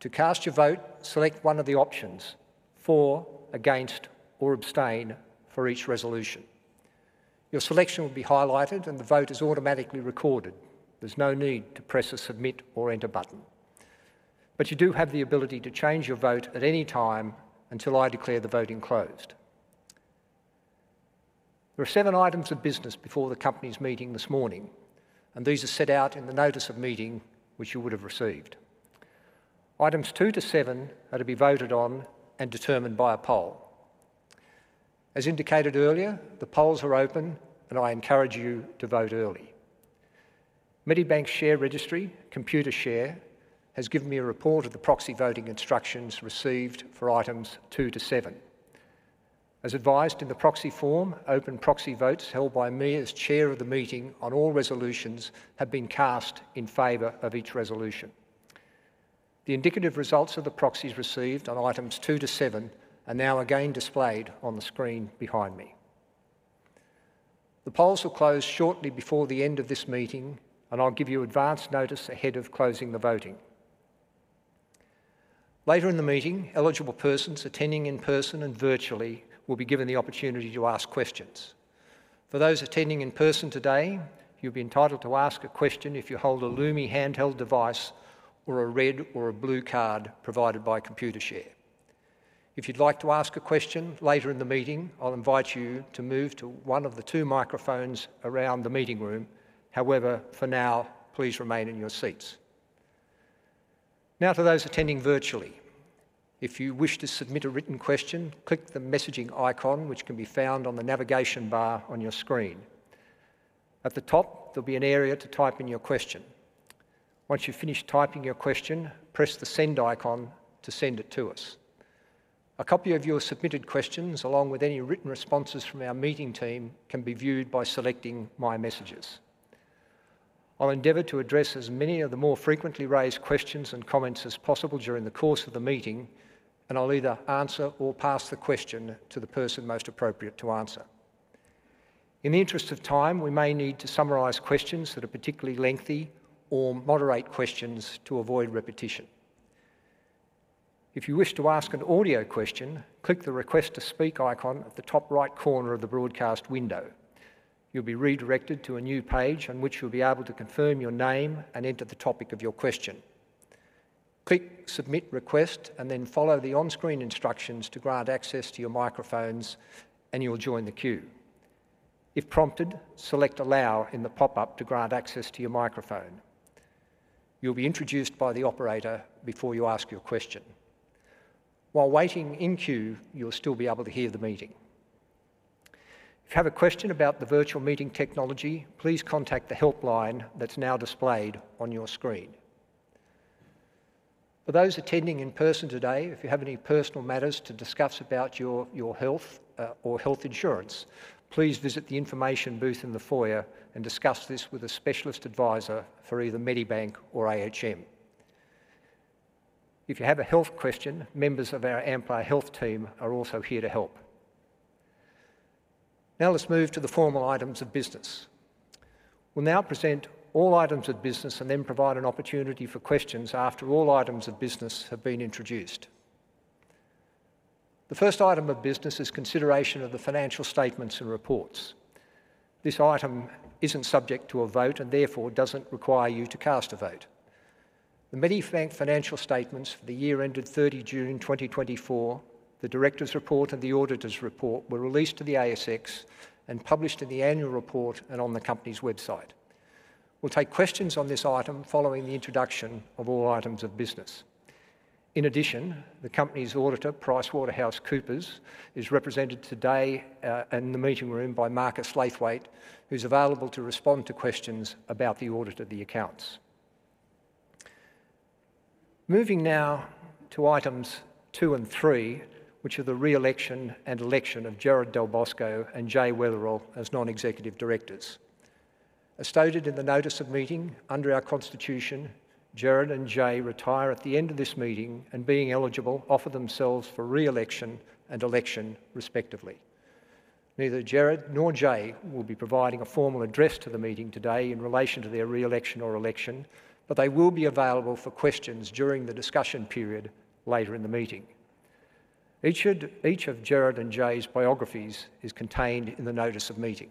[SPEAKER 1] To cast your vote, select one of the options: for, against, or abstain for each resolution. Your selection will be highlighted, and the vote is automatically recorded. There's no need to press a submit or enter button. But you do have the ability to change your vote at any time until I declare the voting closed. There are seven items of business before the company's meeting this morning, and these are set out in the notice of meeting, which you would have received. Items two to seven are to be voted on and determined by a poll. As indicated earlier, the polls are open, and I encourage you to vote early. Medibank's share registry, Computershare, has given me a report of the proxy voting instructions received for items two to seven. As advised in the proxy form, open proxy votes held by me as chair of the meeting on all resolutions have been cast in favor of each resolution. The indicative results of the proxies received on items two to seven are now again displayed on the screen behind me. The polls will close shortly before the end of this meeting, and I'll give you advanced notice ahead of closing the voting. Later in the meeting, eligible persons attending in person and virtually will be given the opportunity to ask questions. For those attending in person today, you'll be entitled to ask a question if you hold a Lumi handheld device or a red or a blue card provided by Computershare. If you'd like to ask a question later in the meeting, I'll invite you to move to one of the two microphones around the meeting room. However, for now, please remain in your seats. Now, to those attending virtually, if you wish to submit a written question, click the messaging icon, which can be found on the navigation bar on your screen. At the top, there'll be an area to type in your question. Once you've finished typing your question, press the send icon to send it to us. A copy of your submitted questions, along with any written responses from our meeting team, can be viewed by selecting my messages. I'll endeavor to address as many of the more frequently raised questions and comments as possible during the course of the meeting, and I'll either answer or pass the question to the person most appropriate to answer. In the interest of time, we may need to summarize questions that are particularly lengthy or moderate questions to avoid repetition. If you wish to ask an audio question, click the request to speak icon at the top right corner of the broadcast window. You'll be redirected to a new page on which you'll be able to confirm your name and enter the topic of your question. Click submit request and then follow the on-screen instructions to grant access to your microphones, and you'll join the queue. If prompted, select allow in the pop-up to grant access to your microphone. You'll be introduced by the operator before you ask your question. While waiting in queue, you'll still be able to hear the meeting. If you have a question about the virtual meeting technology, please contact the helpline that's now displayed on your screen. For those attending in person today, if you have any personal matters to discuss about your health or health insurance, please visit the information booth in the foyer and discuss this with a specialist advisor for either Medibank or AHM. If you have a health question, members of our Amplar Health team are also here to help. Now, let's move to the formal items of business. We'll now present all items of business and then provide an opportunity for questions after all items of business have been introduced. The first item of business is consideration of the financial statements and reports. This item isn't subject to a vote and therefore doesn't require you to cast a vote. The Medibank financial statements for the year ended 30 June 2024, the director's report, and the auditor's report were released to the ASX and published in the annual report and on the company's website. We'll take questions on this item following the introduction of all items of business. In addition, the company's auditor, PricewaterhouseCoopers, is represented today in the meeting room by Marcus Laithwaite, who's available to respond to questions about the audit of the accounts. Moving now to items two and three, which are the re-election and election of Gerard Dalbosco and Jay Weatherill as non-executive directors. As stated in the notice of meeting, under our constitution, Gerard and Jay retire at the end of this meeting and, being eligible, offer themselves for re-election and election, respectively. Neither Gerard nor Jay will be providing a formal address to the meeting today in relation to their re-election or election, but they will be available for questions during the discussion period later in the meeting. Each of Gerard and Jay's biographies is contained in the notice of meeting.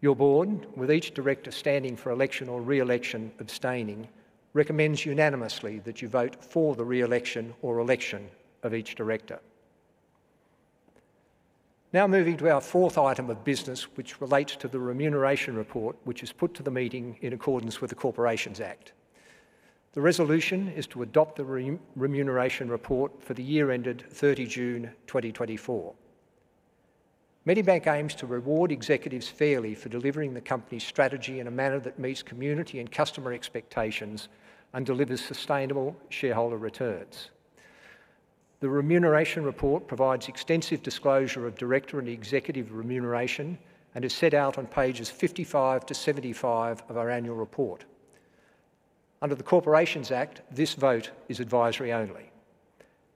[SPEAKER 1] Your board, with each director standing for election or re-election abstaining, recommends unanimously that you vote for the re-election or election of each director. Now, moving to our fourth item of business, which relates to the remuneration report, which is put to the meeting in accordance with the Corporations Act. The resolution is to adopt the remuneration report for the year ended 30 June 2024. Medibank aims to reward executives fairly for delivering the company's strategy in a manner that meets community and customer expectations and delivers sustainable shareholder returns. The remuneration report provides extensive disclosure of director and executive remuneration and is set out on pages 55-75 of our annual report. Under the Corporations Act, this vote is advisory only.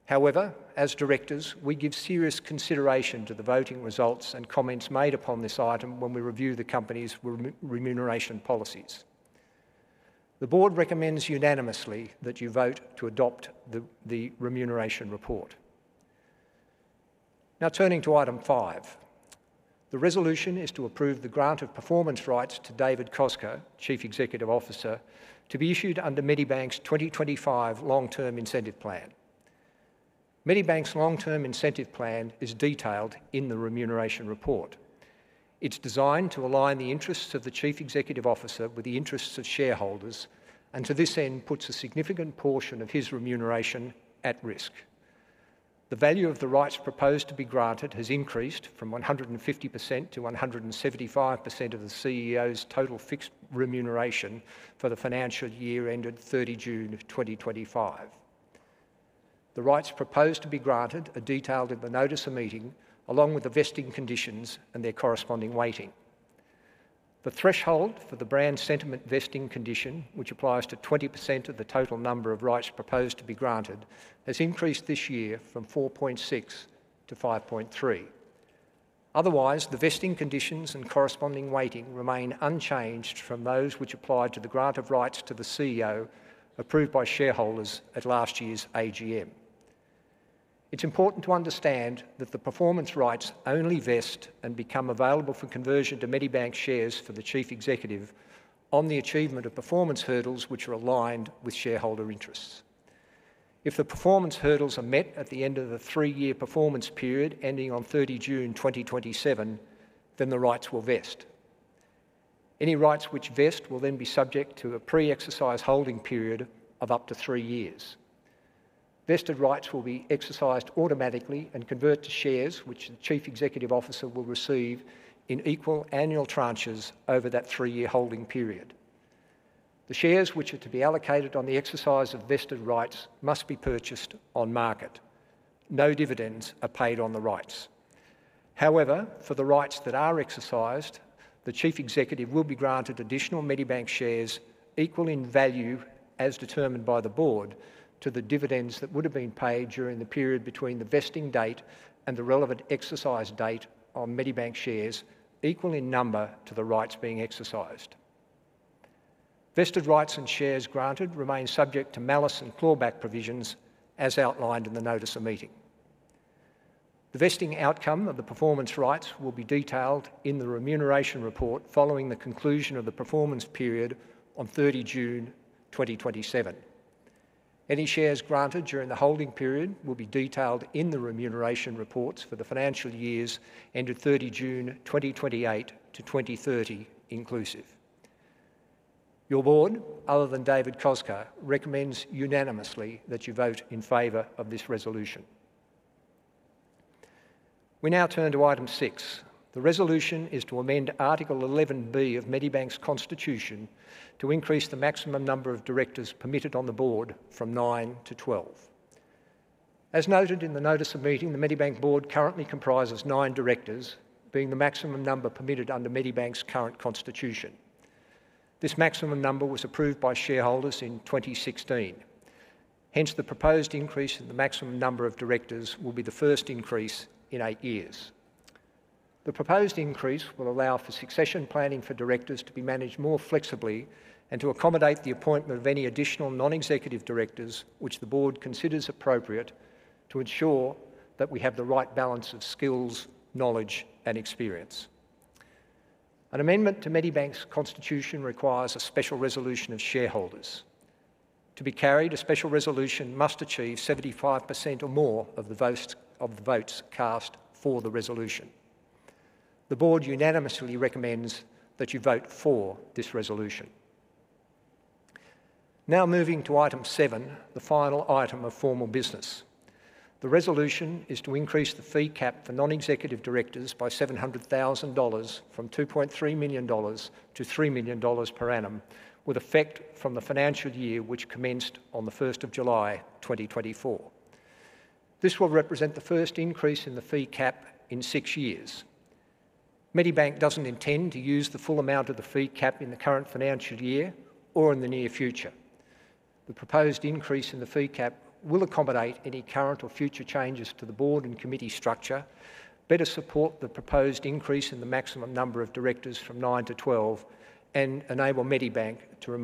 [SPEAKER 1] However, as directors, we give serious consideration to the voting results and comments made upon this item when we review the company's remuneration policies. The board recommends unanimously that you vote to adopt the remuneration report. Now, turning to Item 5, the resolution is to approve the grant of performance rights to David Koczkar, Chief Executive Officer, to be issued under Medibank's 2025 long-term incentive plan. Medibank's long-term incentive plan is detailed in the remuneration report. It's designed to align the interests of the Chief Executive Officer with the interests of shareholders and, to this end, puts a significant portion of his remuneration at risk. The value of the rights proposed to be granted has increased from 150%-175% of the CEO's total fixed remuneration for the financial year ended 30 June 2025. The rights proposed to be granted are detailed in the notice of meeting, along with the vesting conditions and their corresponding weighting. The threshold for the brand sentiment vesting condition, which applies to 20% of the total number of rights proposed to be granted, has increased this year from 4.6-5.3. Otherwise, the vesting conditions and corresponding weighting remain unchanged from those which apply to the grant of rights to the CEO approved by shareholders at last year's AGM. It's important to understand that the performance rights only vest and become available for conversion to Medibank shares for the Chief Executive on the achievement of performance hurdles which are aligned with shareholder interests. If the performance hurdles are met at the end of the three-year performance period ending on 30 June 2027, then the rights will vest. Any rights which vest will then be subject to a pre-exercise holding period of up to three years. Vested rights will be exercised automatically and convert to shares which the Chief Executive Officer will receive in equal annual tranches over that three-year holding period. The shares which are to be allocated on the exercise of vested rights must be purchased on market. No dividends are paid on the rights. However, for the rights that are exercised, the Chief Executive will be granted additional Medibank shares equal in value as determined by the board to the dividends that would have been paid during the period between the vesting date and the relevant exercise date on Medibank shares, equal in number to the rights being exercised. Vested rights and shares granted remain subject to malus and clawback provisions as outlined in the notice of meeting. The vesting outcome of the performance rights will be detailed in the remuneration report following the conclusion of the performance period on 30 June 2027. Any shares granted during the holding period will be detailed in the remuneration reports for the financial years ended 30 June 2028 to 2030 inclusive. Your board, other than David Koczkar, recommends unanimously that you vote in favor of this resolution. We now turn to item six. The resolution is to amend Article 11B of Medibank's constitution to increase the maximum number of directors permitted on the board from nine to 12. As noted in the notice of meeting, the Medibank board currently comprises nine directors, being the maximum number permitted under Medibank's current constitution. This maximum number was approved by shareholders in 2016. Hence, the proposed increase in the maximum number of directors will be the first increase in eight years. The proposed increase will allow for succession planning for directors to be managed more flexibly and to accommodate the appointment of any additional non-executive directors which the board considers appropriate to ensure that we have the right balance of skills, knowledge, and experience. An amendment to Medibank's constitution requires a special resolution of shareholders. To be carried, a special resolution must achieve 75% or more of the votes cast for the resolution. The board unanimously recommends that you vote for this resolution. Now, moving to item seven, the final item of formal business. The resolution is to increase the fee cap for non-executive directors by 700,000 dollars from 2.3 million dollars to 3 million dollars per annum, with effect from the financial year which commenced on the 1st of July 2024. This will represent the first increase in the fee cap in six years. Medibank doesn't intend to use the full amount of the fee cap in the current financial year or in the near future. The proposed increase in the fee cap will accommodate any current or future changes to the board and committee structure, better support the proposed increase in the maximum number of directors from nine to 12, and enable Medibank to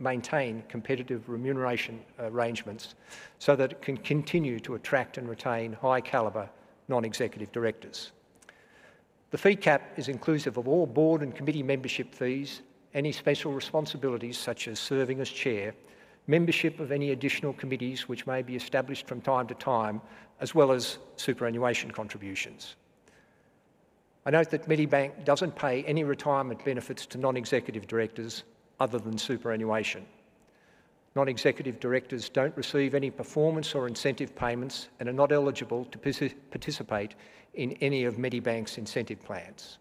[SPEAKER 1] maintain competitive remuneration arrangements so that it can continue to attract and retain high-calibre non-executive directors. The fee cap is inclusive of all board and committee membership fees, any special responsibilities such as serving as chair, membership of any additional committees which may be established from time to time, as well as superannuation contributions. I note that Medibank doesn't pay any retirement benefits to non-executive directors other than superannuation. Non-executive directors don't receive any performance or incentive payments and are not eligible to participate in any of Medibank's incentive plans.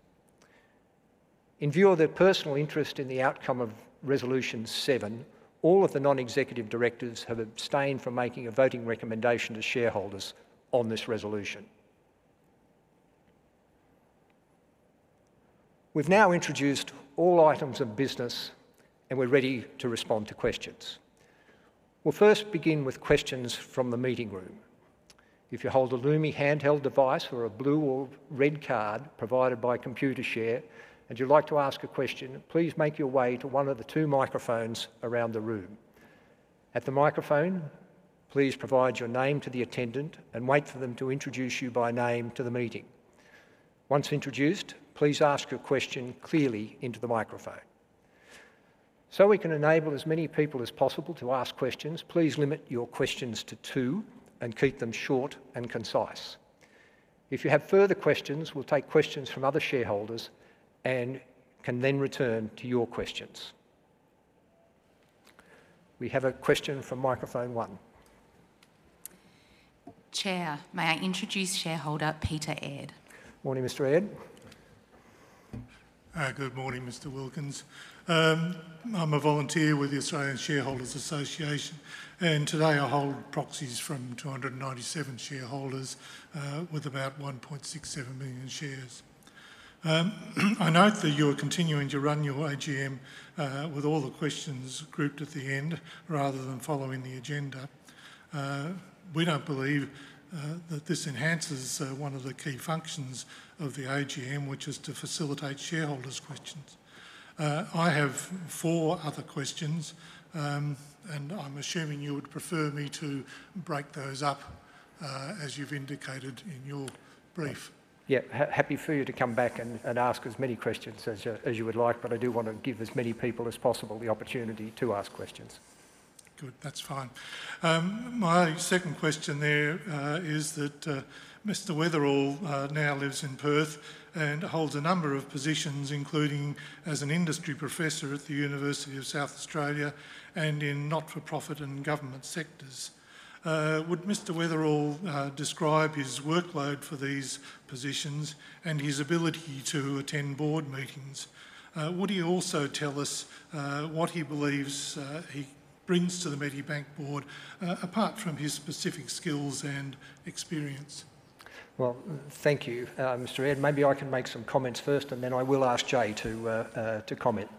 [SPEAKER 1] In view of their personal interest in the outcome of resolution seven, all of the non-executive directors have abstained from making a voting recommendation to shareholders on this resolution. We've now introduced all items of business, and we're ready to respond to questions. We'll first begin with questions from the meeting room. If you hold a Lumi handheld device or a blue or red card provided by Computershare and you'd like to ask a question, please make your way to one of the two microphones around the room. At the microphone, please provide your name to the attendant and wait for them to introduce you by name to the meeting. Once introduced, please ask your question clearly into the microphone. So we can enable as many people as possible to ask questions, please limit your questions to two and keep them short and concise. If you have further questions, we'll take questions from other shareholders and can then return to your questions. We have a question from microphone one.
[SPEAKER 4] Chair, may I introduce shareholder Peter Eade
[SPEAKER 1] Morning, Mr. Ayd.
[SPEAKER 5] Good morning, Mr. Wilkins. I'm a volunteer with the Australian Shareholders Association, and today I hold proxies from 297 shareholders with about 1.67 million shares. I note that you are continuing to run your AGM with all the questions grouped at the end rather than following the agenda. We don't believe that this enhances one of the key functions of the AGM, which is to facilitate shareholders' questions. I have four other questions, and I'm assuming you would prefer me to break those up as you've indicated in your brief.
[SPEAKER 1] Yeah, happy for you to come back and ask as many questions as you would like, but I do want to give as many people as possible the opportunity to ask questions. Good, that's fine. My second question there is that Mr.
[SPEAKER 5] Weatherill now lives in Perth and holds a number of positions, including as an industry professor at the University of South Australia and in not-for-profit and government sectors. Would Mr. Weatherill describe his workload for these positions and his ability to attend board meetings? Would he also tell us what he believes he brings to the Medibank board apart from his specific skills and experience?
[SPEAKER 1] Well, thank you, Mr. Ayd. Maybe I can make some comments first, and then I will ask Jay to comment.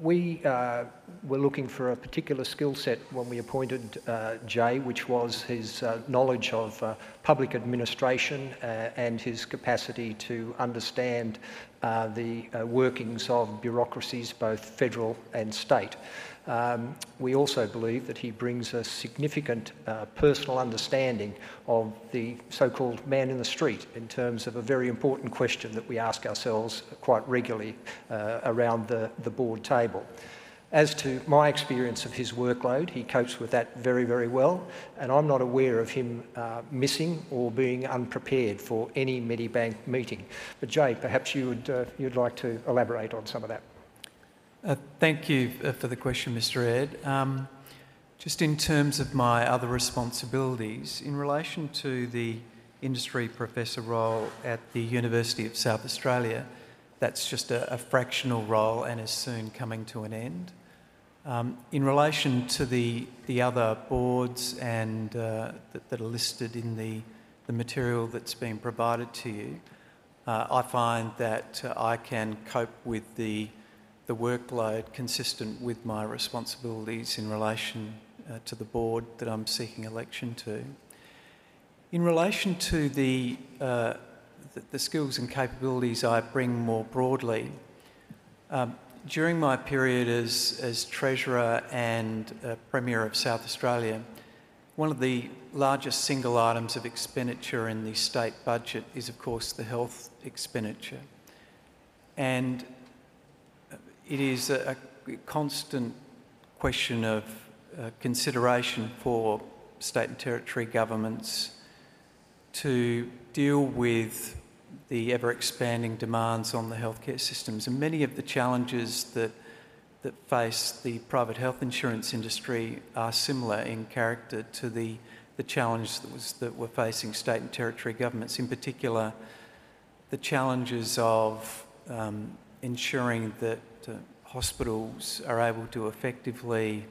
[SPEAKER 1] We were looking for a particular skill set when we appointed Jay, which was his knowledge of public administration and his capacity to understand the workings of bureaucracies, both federal and state.
[SPEAKER 5] We also believe that he brings a significant personal understanding of the so-called man in the street in terms of a very important question that we ask ourselves quite regularly around the board table. As to my experience of his workload, he copes with that very, very well, and I'm not aware of him missing or being unprepared for any Medibank meeting. But Jay, perhaps you would like to elaborate on some of that.
[SPEAKER 6] Thank you for the question, Mr. Ayd. Just in terms of my other responsibilities in relation to the industry professor role at the University of South Australia, that's just a fractional role and is soon coming to an end. In relation to the other boards that are listed in the material that's been provided to you, I find that I can cope with the workload consistent with my responsibilities in relation to the board that I'm seeking election to. In relation to the skills and capabilities I bring more broadly, during my period as Treasurer and Premier of South Australia, one of the largest single items of expenditure in the state budget is, of course, the health expenditure, and it is a constant question of consideration for state and territory governments to deal with the ever-expanding demands on the healthcare systems, and many of the challenges that face the private health insurance industry are similar in character to the challenges that we're facing state and territory governments. In particular, the challenges of ensuring that hospitals are able to effectively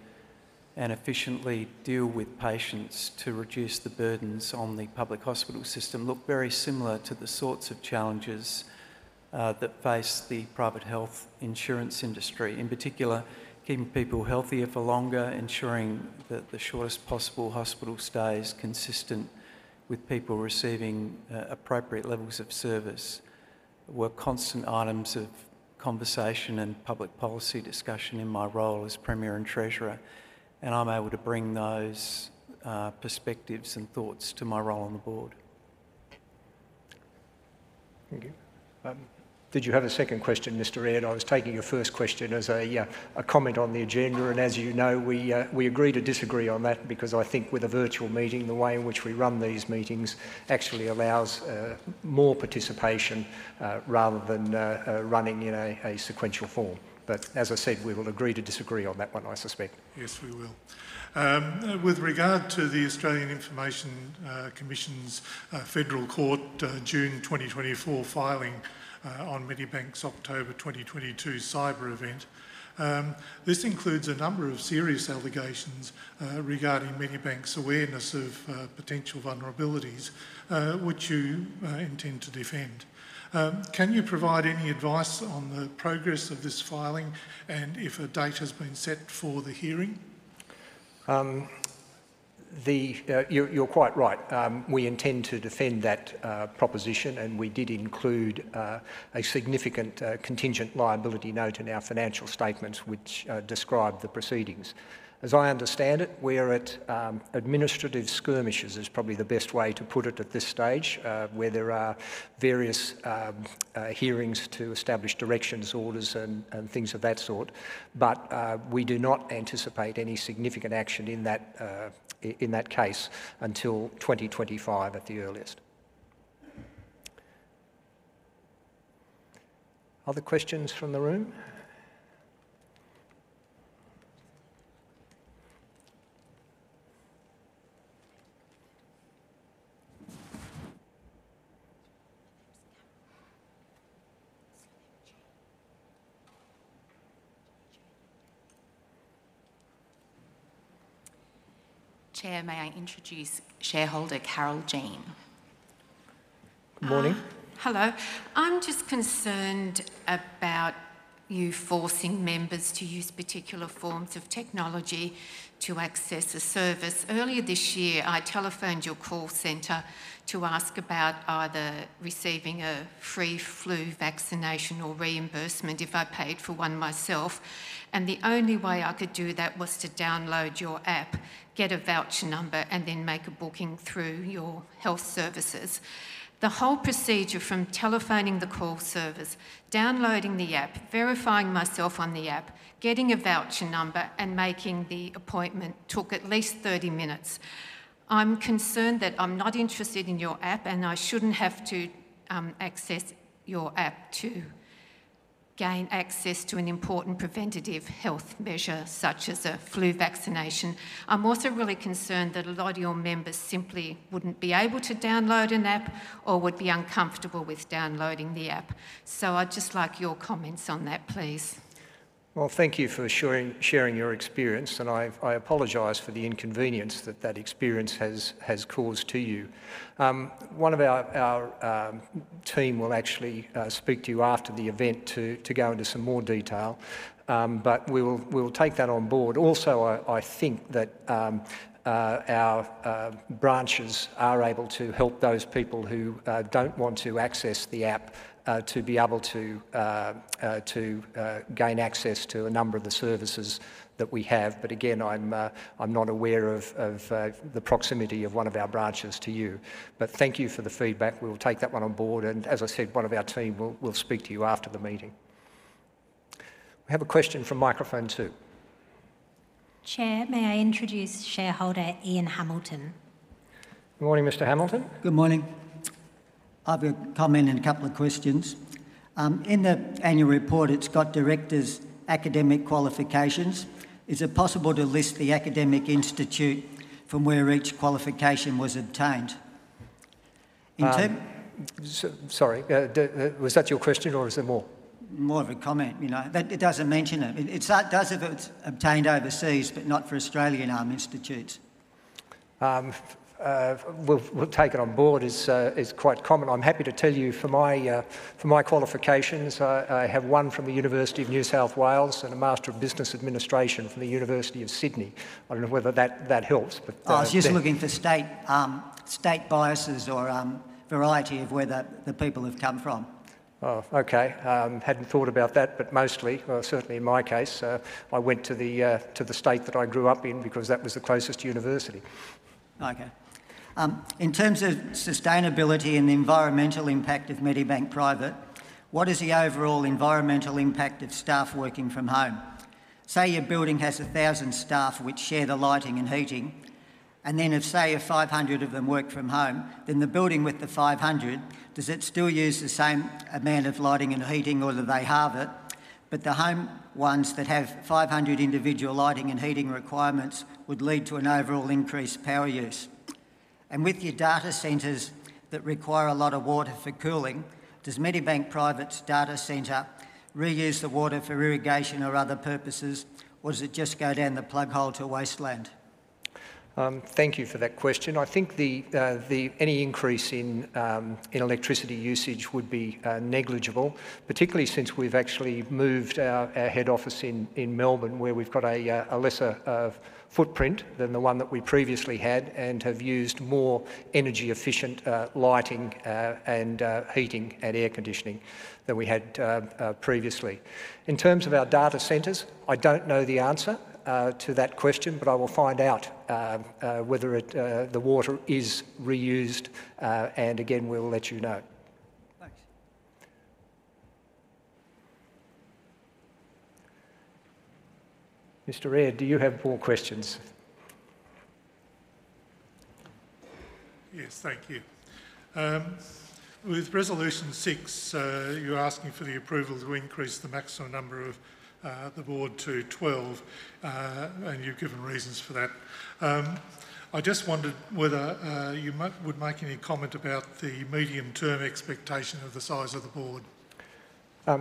[SPEAKER 6] and efficiently deal with patients to reduce the burdens on the public hospital system look very similar to the sorts of challenges that face the private health insurance industry. In particular, keeping people healthier for longer, ensuring that the shortest possible hospital stay is consistent with people receiving appropriate levels of service were constant items of conversation and public policy discussion in my role as Premier and Treasurer, and I'm able to bring those perspectives and thoughts to my role on the board. Thank you.
[SPEAKER 1] Did you have a second question, Mr. Ayd?
[SPEAKER 2] I was taking your first question as a comment on the agenda, and as you know, we agree to disagree on that because I think with a virtual meeting, the way in which we run these meetings actually allows more participation rather than running in a sequential form. But as I said, we will agree to disagree on that one, I suspect.
[SPEAKER 5] Yes, we will. With regard to the Australian Information Commissioner's Federal Court June 2024 filing on Medibank's October 2022 cyber event, this includes a number of serious allegations regarding Medibank's awareness of potential vulnerabilities which you intend to defend. Can you provide any advice on the progress of this filing and if a date has been set for the hearing?
[SPEAKER 1] You're quite right. We intend to defend that proposition, and we did include a significant contingent liability note in our financial statements which described the proceedings. As I understand it, we are at administrative skirmishes, is probably the best way to put it at this stage, where there are various hearings to establish directions, orders, and things of that sort. But we do not anticipate any significant action in that case until 2025 at the earliest. Other questions from the room?
[SPEAKER 7] Chair, may I introduce shareholder Carol Jean.
[SPEAKER 8] Good morning. Hello. I'm just concerned about you forcing members to use particular forms of technology to access a service. Earlier this year, I telephoned your call center to ask about either receiving a free flu vaccination or reimbursement if I paid for one myself, and the only way I could do that was to download your app, get a voucher number, and then make a booking through your health services. The whole procedure from telephoning the call service, downloading the app, verifying myself on the app, getting a voucher number, and making the appointment took at least 30 minutes. I'm concerned that I'm not interested in your app and I shouldn't have to access your app to gain access to an important preventative health measure such as a flu vaccination. I'm also really concerned that a lot of your members simply wouldn't be able to download an app or would be uncomfortable with downloading the app. So I'd just like your comments on that, please. '
[SPEAKER 1] Well, thank you for sharing your experience, and I apologize for the inconvenience that that experience has caused to you. One of our team will actually speak to you after the event to go into some more detail, but we'll take that on board. Also, I think that our branches are able to help those people who don't want to access the app to be able to gain access to a number of the services that we have. But again, I'm not aware of the proximity of one of our branches to you. But thank you for the feedback. We'll take that one on board. And as I said, one of our team will speak to you after the meeting. We have a question from microphone two.
[SPEAKER 7] Chair, may I introduce shareholder Ian Hamilton?
[SPEAKER 1] Good morning, Mr. Hamilton.
[SPEAKER 9] Good morning. I've got a comment and a couple of questions. In the annual report, it's got directors' academic qualifications. Is it possible to list the academic institute from where each qualification was obtained? Sorry, was that your question or is there more? More of a comment. It doesn't mention it. It does if it's obtained overseas, but not for Australian universities.
[SPEAKER 1] We'll take it on board. It's quite common. I'm happy to tell you for my qualifications. I have one from the University of New South Wales and a Master of Business Administration from the University of Sydney. I don't know whether that helps, but. I was just looking for state biases or variety of where the people have come from.
[SPEAKER 9] Oh, okay. Hadn't thought about that, but mostly, certainly in my case, I went to the state that I grew up in because that was the closest university. Okay. In terms of sustainability and the environmental impact of Medibank Private, what is the overall environmental impact of staff working from home? Say your building has 1,000 staff which share the lighting and heating, and then if say 500 of them work from home, then the building with the 500, does it still use the same amount of lighting and heating or do they halve it? But the home ones that have 500 individual lighting and heating requirements would lead to an overall increased power use. And with your data centers that require a lot of water for cooling, does Medibank Private's data center reuse the water for irrigation or other purposes, or does it just go down the plug hole to a wasteland?
[SPEAKER 1] Thank you for that question. I think any increase in electricity usage would be negligible, particularly since we've actually moved our head office in Melbourne where we've got a lesser footprint than the one that we previously had and have used more energy-efficient lighting and heating and air conditioning than we had previously. In terms of our data centers, I don't know the answer to that question, but I will find out whether the water is reused and again, we'll let you know. Thanks. Mr. Ayd, do you have more questions?
[SPEAKER 5] Yes, thank you. With resolution six, you're asking for the approval to increase the maximum number of the board to 12, and you've given reasons for that. I just wondered whether you would make any comment about the medium-term expectation of the size of the board.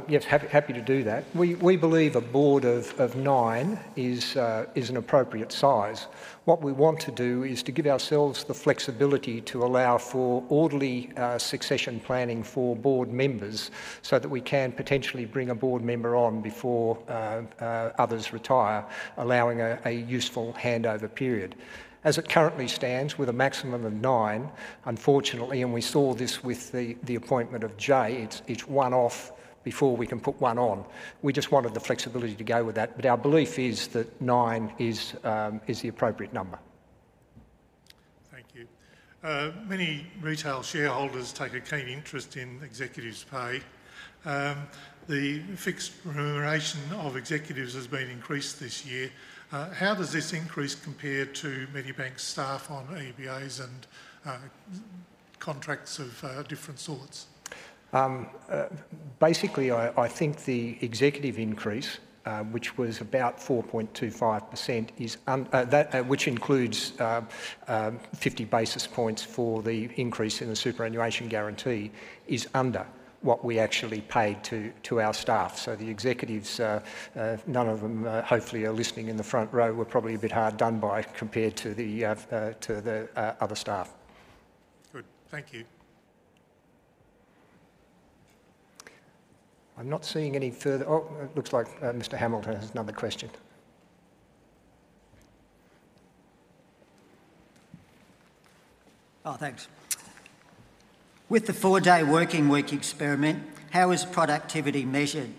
[SPEAKER 1] Yes, happy to do that. We believe a board of nine is an appropriate size. What we want to do is to give ourselves the flexibility to allow for orderly succession planning for board members so that we can potentially bring a board member on before others retire, allowing a useful handover period. As it currently stands, with a maximum of nine, unfortunately, and we saw this with the appointment of Jay, it's one off before we can put one on. We just wanted the flexibility to go with that, but our belief is that nine is the appropriate number.
[SPEAKER 5] Thank you. Many retail shareholders take a keen interest in executives' pay. The fixed remuneration of executives has been increased this year. How does this increase compare to Medibank's staff on EBAs and contracts of different sorts?
[SPEAKER 2] Basically, I think the executive increase, which was about 4.25%, which includes 50 basis points for the increase in the superannuation guarantee, is under what we actually paid to our staff. So the executives, none of them hopefully are listening in the front row, were probably a bit hard done by compared to the other staff.
[SPEAKER 5] Good. Thank you.
[SPEAKER 2] I'm not seeing any further. Oh, it looks like Mr. Hamilton has another question.
[SPEAKER 8] Oh, thanks. With the four-day working week experiment, how is productivity measured?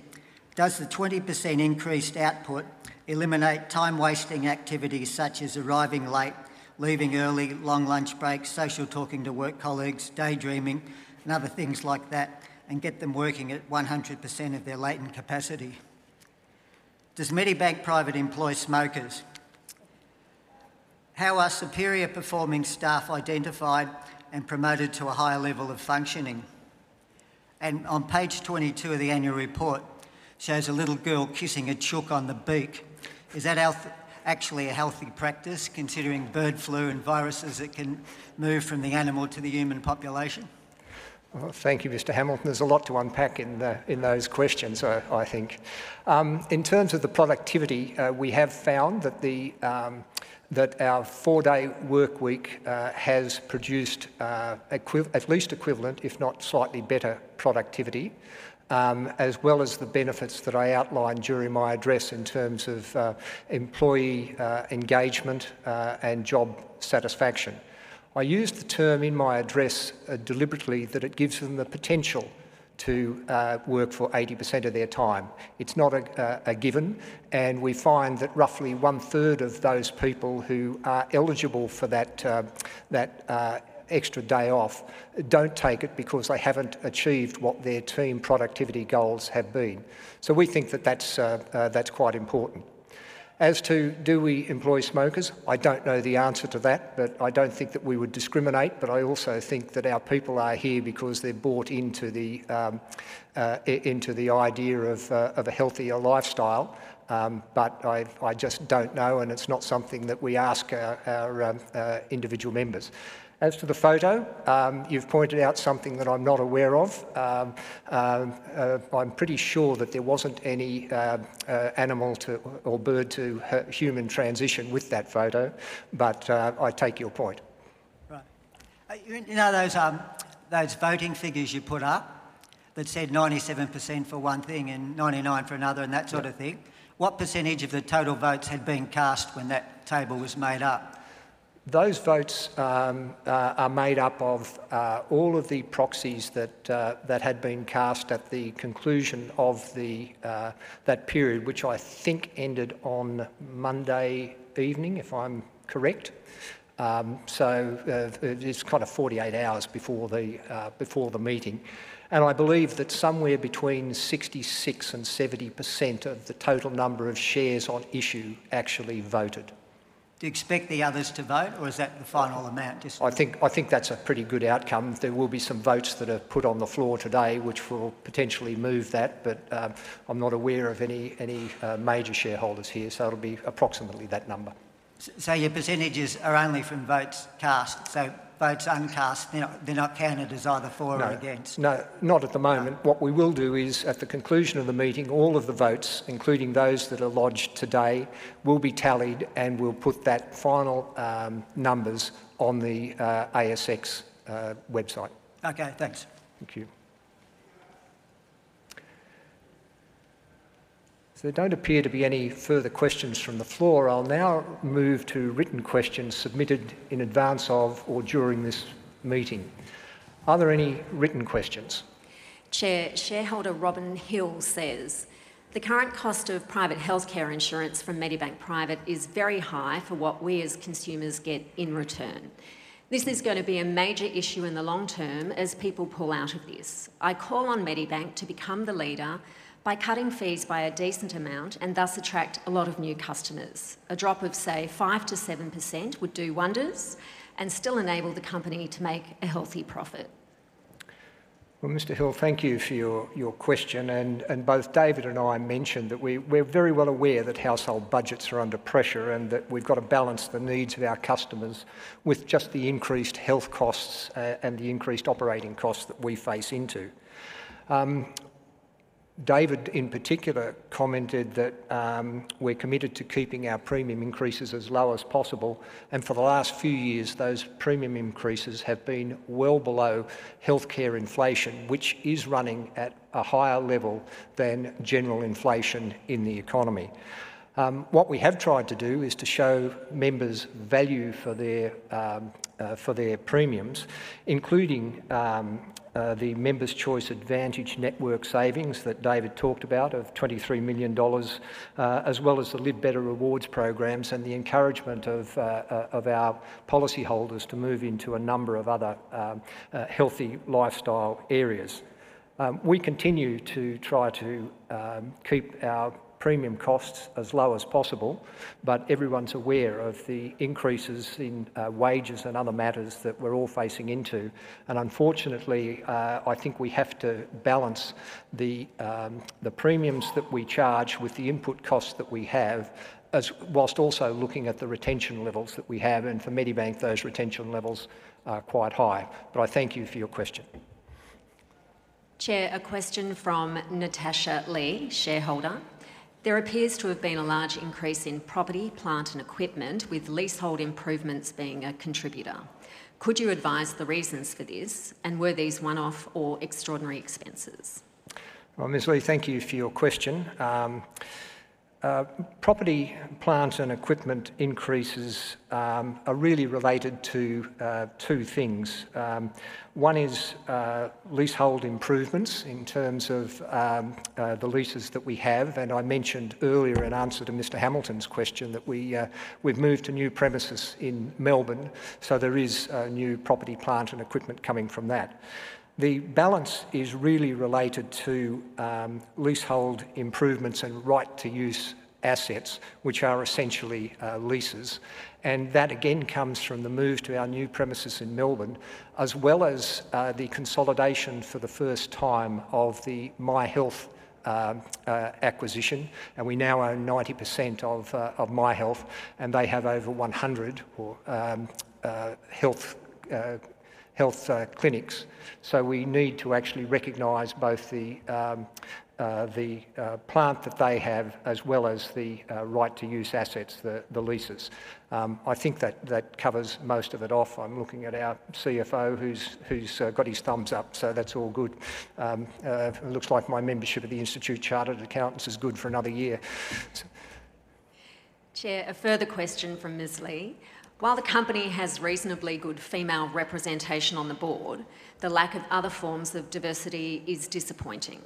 [SPEAKER 8] Does the 20% increased output eliminate time-wasting activities such as arriving late, leaving early, long lunch breaks, social talking to work colleagues, daydreaming, and other things like that, and get them working at 100% of their latent capacity? Does Medibank Private employ smokers? How are superior-performing staff identified and promoted to a higher level of functioning?
[SPEAKER 2] On page 22 of the annual report, it shows a little girl kissing a chook on the beak. Is that actually a healthy practice, considering bird flu and viruses that can move from the animal to the human population?
[SPEAKER 1] Thank you, Mr. Hamilton. There's a lot to unpack in those questions, I think. In terms of the productivity, we have found that our four-day work week has produced at least equivalent, if not slightly better productivity, as well as the benefits that I outlined during my address in terms of employee engagement and job satisfaction. I used the term in my address deliberately that it gives them the potential to work for 80% of their time. It's not a given, and we find that roughly one-third of those people who are eligible for that extra day off don't take it because they haven't achieved what their team productivity goals have been. So we think that that's quite important. As to do we employ smokers? I don't know the answer to that, but I don't think that we would discriminate. But I also think that our people are here because they're bought into the idea of a healthier lifestyle, but I just don't know, and it's not something that we ask our individual members. As to the photo, you've pointed out something that I'm not aware of. I'm pretty sure that there wasn't any animal or bird to human transition with that photo, but I take your point. Right.
[SPEAKER 8] You know those voting figures you put up that said 97% for one thing and 99% for another and that sort of thing? What percentage of the total votes had been cast when that table was made up? Those votes are made up of all of the proxies that had been cast at the conclusion of that period, which I think ended on Monday evening, if I'm correct. So it's kind of 48 hours before the meeting. And I believe that somewhere between 66%-70% of the total number of shares on issue actually voted. Do you expect the others to vote, or is that the final amount? I think that's a pretty good outcome. There will be some votes that are put on the floor today which will potentially move that, but I'm not aware of any major shareholders here, so it'll be approximately that number. So your percentages are only from votes cast? So votes uncast, they're not counted as either for or against?
[SPEAKER 2] No, not at the moment. What we will do is at the conclusion of the meeting, all of the votes, including those that are lodged today, will be tallied and we'll put that final numbers on the ASX website.
[SPEAKER 8] Okay, thanks.
[SPEAKER 1] Thank you. So there don't appear to be any further questions from the floor. I'll now move to written questions submitted in advance of or during this meeting. Are there any written questions?
[SPEAKER 7] Chair, shareholder Robin Hill says, "The current cost of private healthcare insurance from Medibank Private is very high for what we as consumers get in return. This is going to be a major issue in the long term as people pull out of this. I call on Medibank to become the leader by cutting fees by a decent amount and thus attract a lot of new customers. A drop of say 5%-7% would do wonders and still enable the company to make a healthy profit."
[SPEAKER 1] Well, Mr. Hill, thank you for your question. And both David and I mentioned that we're very well aware that household budgets are under pressure and that we've got to balance the needs of our customers with just the increased health costs and the increased operating costs that we face into. David, in particular, commented that we're committed to keeping our premium increases as low as possible, and for the last few years, those premium increases have been well below healthcare inflation, which is running at a higher level than general inflation in the economy. What we have tried to do is to show members value for their premiums, including the Members' Choice Advantage network savings that David talked about of 23 million dollars, as well as the Live Better Rewards programs and the encouragement of our policyholders to move into a number of other healthy lifestyle areas. We continue to try to keep our premium costs as low as possible, but everyone's aware of the increases in wages and other matters that we're all facing into. And unfortunately, I think we have to balance the premiums that we charge with the input costs that we have, whilst also looking at the retention levels that we have. And for Medibank, those retention levels are quite high. But I thank you for your question.
[SPEAKER 7] Chair, a question from Natasha Lee, shareholder.
[SPEAKER 2] There appears to have been a large increase in property, plant, and equipment, with leasehold improvements being a contributor. Could you advise the reasons for this, and were these one-off or extraordinary expenses?
[SPEAKER 1] Well, Ms. Lee, thank you for your question. Property, plant, and equipment increases are really related to two things. One is leasehold improvements in terms of the leases that we have. And I mentioned earlier in answer to Mr. Hamilton's question that we've moved to new premises in Melbourne, so there is a new property, plant, and equipment coming from that. The balance is really related to leasehold improvements and right-of-use assets, which are essentially leases. And that again comes from the move to our new premises in Melbourne, as well as the consolidation for the first time of the Myhealth acquisition.
[SPEAKER 2] We now own 90% of Myhealth, and they have over 100 health clinics. So we need to actually recognise both the plant that they have as well as the right-of-use assets, the leases. I think that covers most of it off. I'm looking at our CFO who's got his thumbs up, so that's all good. It looks like my membership at the Institute of Chartered Accountants is good for another year.
[SPEAKER 7] Chair, a further question from Ms. Lee. While the company has reasonably good female representation on the board, the lack of other forms of diversity is disappointing.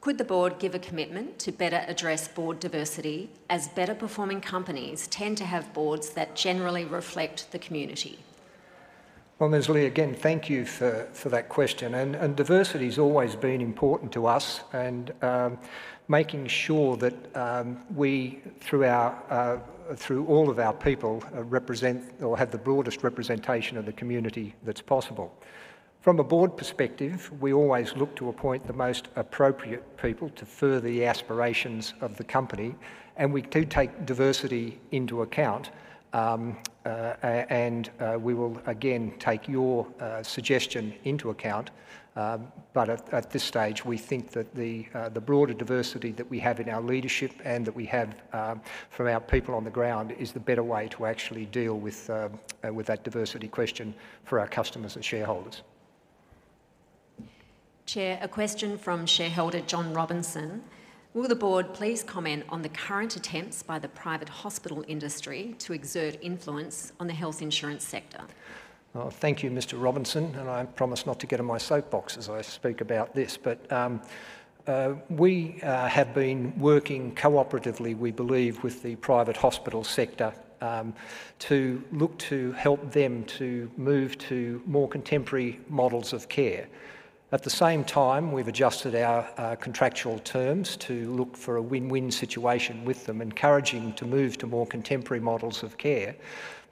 [SPEAKER 7] Could the board give a commitment to better address board diversity, as better-performing companies tend to have boards that generally reflect the community?
[SPEAKER 1] Well, Ms. Lee, again, thank you for that question.
[SPEAKER 2] Diversity has always been important to us, and making sure that we, through all of our people, represent or have the broadest representation of the community that's possible. From a board perspective, we always look to appoint the most appropriate people to further the aspirations of the company, and we do take diversity into account, and we will again take your suggestion into account. At this stage, we think that the broader diversity that we have in our leadership and that we have from our people on the ground is the better way to actually deal with that diversity question for our customers and shareholders. Chair, a question from shareholder John Robinson. Will the board please comment on the current attempts by the private hospital industry to exert influence on the health insurance sector?
[SPEAKER 1] Thank you, Mr. Robinson, and I promise not to get in my soapbox as I speak about this, but we have been working cooperatively, we believe, with the private hospital sector to look to help them to move to more contemporary models of care. At the same time, we've adjusted our contractual terms to look for a win-win situation with them, encouraging to move to more contemporary models of care,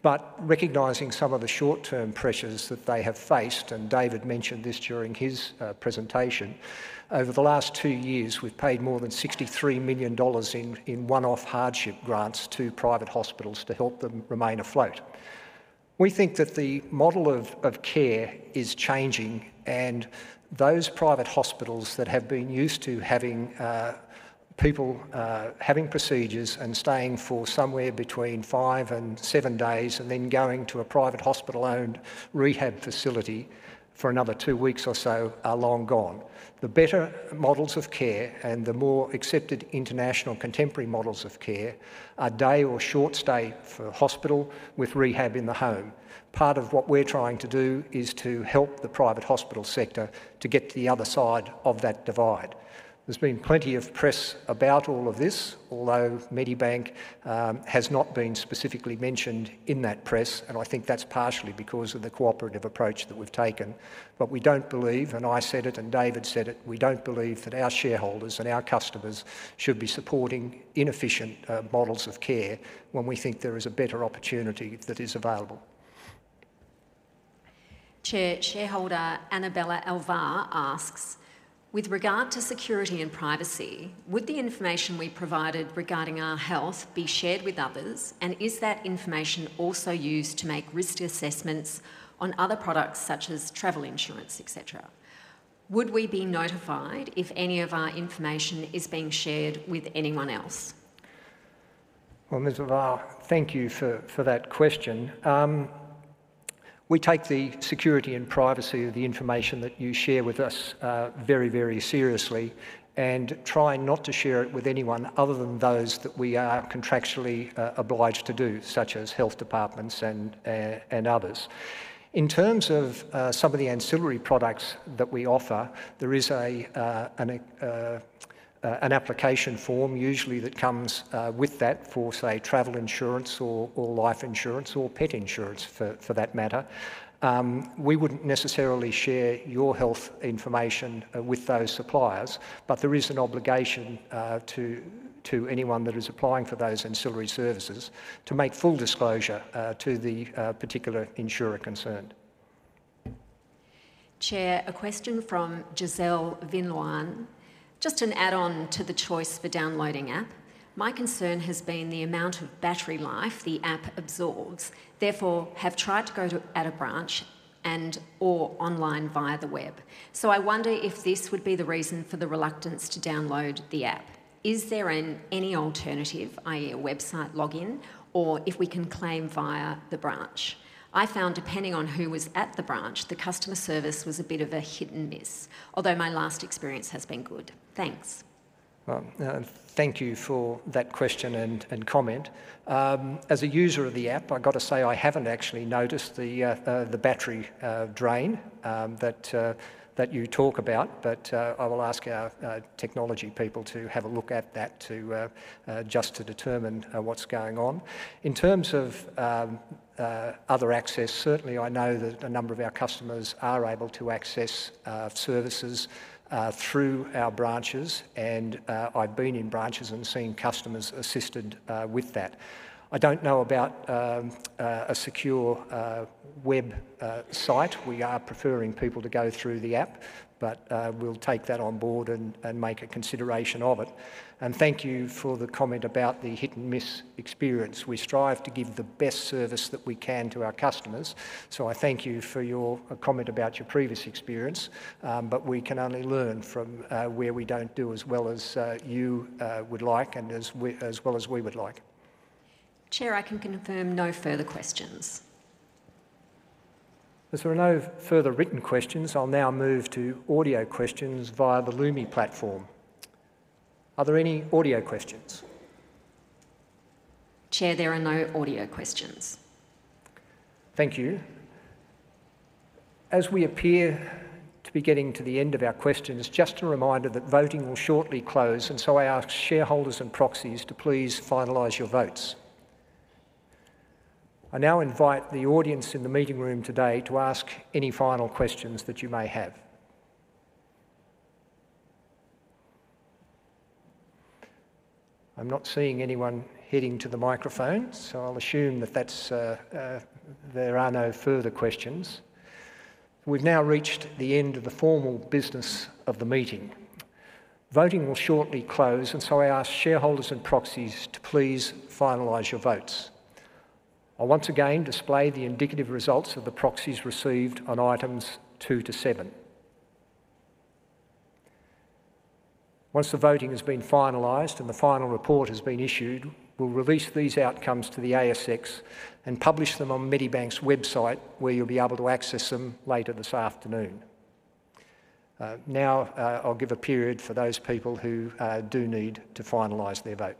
[SPEAKER 1] but recognising some of the short-term pressures that they have faced, and David mentioned this during his presentation. Over the last two years, we've paid more than 63 million dollars in one-off hardship grants to private hospitals to help them remain afloat. We think that the model of care is changing, and those private hospitals that have been used to having people having procedures and staying for somewhere between five and seven days and then going to a private hospital-owned rehab facility for another two weeks or so are long gone. The better models of care and the more accepted international contemporary models of care are day or short stay for hospital with rehab in the home. Part of what we're trying to do is to help the private hospital sector to get to the other side of that divide. There's been plenty of press about all of this, although Medibank has not been specifically mentioned in that press, and I think that's partially because of the cooperative approach that we've taken. But we don't believe, and I said it and David said it, we don't believe that our shareholders and our customers should be supporting inefficient models of care when we think there is a better opportunity that is available.
[SPEAKER 7] Chair, shareholder Annabella Alvar asks, "With regard to security and privacy, would the information we provided regarding our health be shared with others, and is that information also used to make risk assessments on other products such as travel insurance, etc.? Would we be notified if any of our information is being shared with anyone else?"
[SPEAKER 1] Well, Ms. Alvar, thank you for that question. We take the security and privacy of the information that you share with us very, very seriously and try not to share it with anyone other than those that we are contractually obliged to do, such as health departments and others.
[SPEAKER 2] In terms of some of the ancillary products that we offer, there is an application form usually that comes with that for, say, travel insurance or life insurance or pet insurance for that matter. We wouldn't necessarily share your health information with those suppliers, but there is an obligation to anyone that is applying for those ancillary services to make full disclosure to the particular insurer concerned.
[SPEAKER 7] Chair, a question from Giselle Vinloan. Just an add-on to the choice for downloading app. My concern has been the amount of battery life the app absorbs. Therefore, I have tried to go to a branch and/or online via the web. So I wonder if this would be the reason for the reluctance to download the app. Is there any alternative, i.e., a website login, or if we can claim via the branch? I found, depending on who was at the branch, the customer service was a bit of a hit and miss, although my last experience has been good. Thanks.
[SPEAKER 1] Thank you for that question and comment. As a user of the app, I've got to say I haven't actually noticed the battery drain that you talk about, but I will ask our technology people to have a look at that just to determine what's going on. In terms of other access, certainly I know that a number of our customers are able to access services through our branches, and I've been in branches and seen customers assisted with that. I don't know about a secure website. We are preferring people to go through the app, but we'll take that on board and make a consideration of it, and thank you for the comment about the hit-and-miss experience. We strive to give the best service that we can to our customers, so I thank you for your comment about your previous experience, but we can only learn from where we don't do as well as you would like and as well as we would like.
[SPEAKER 2] Chair, I can confirm no further questions.
[SPEAKER 1] If there are no further written questions, I'll now move to audio questions via the Lumi platform. Are there any audio questions?
[SPEAKER 10] Chair, there are no audio questions.
[SPEAKER 1] Thank you. As we appear to be getting to the end of our questions, just a reminder that voting will shortly close, and so I ask shareholders and proxies to please finalize your votes. I now invite the audience in the meeting room today to ask any final questions that you may have. I'm not seeing anyone heading to the microphone, so I'll assume that there are no further questions. We've now reached the end of the formal business of the meeting. Voting will shortly close, and so I ask shareholders and proxies to please finalize your votes. I'll once again display the indicative results of the proxies received on items two to seven. Once the voting has been finalized and the final report has been issued, we'll release these outcomes to the ASX and publish them on Medibank's website, where you'll be able to access them later this afternoon. Now, I'll give a period for those people who do need to finalize their vote.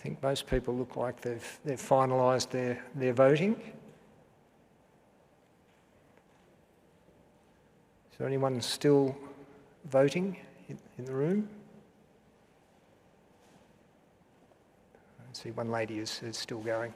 [SPEAKER 1] I think most people look like they've finalized their voting. Is there anyone still voting in the room? I see one lady is still going.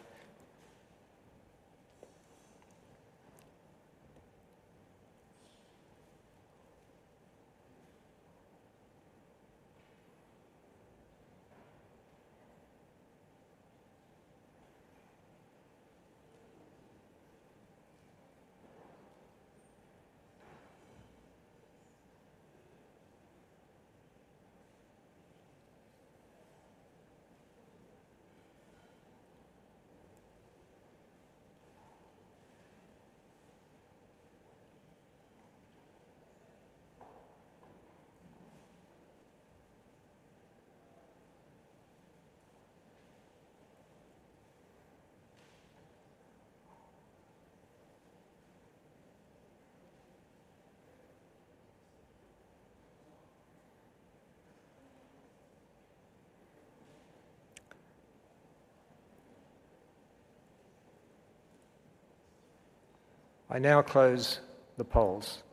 [SPEAKER 1] I now close the polls.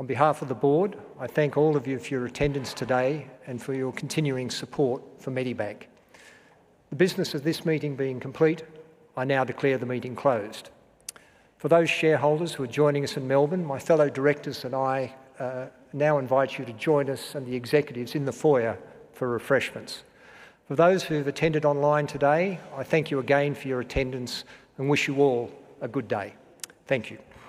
[SPEAKER 1] On behalf of the board, I thank all of you for your attendance today and for your continuing support for Medibank. The business of this meeting being complete, I now declare the meeting closed. For those shareholders who are joining us in Melbourne, my fellow directors and I now invite you to join us and the executives in the foyer for refreshments. For those who've attended online today, I thank you again for your attendance and wish you all a good day. Thank you.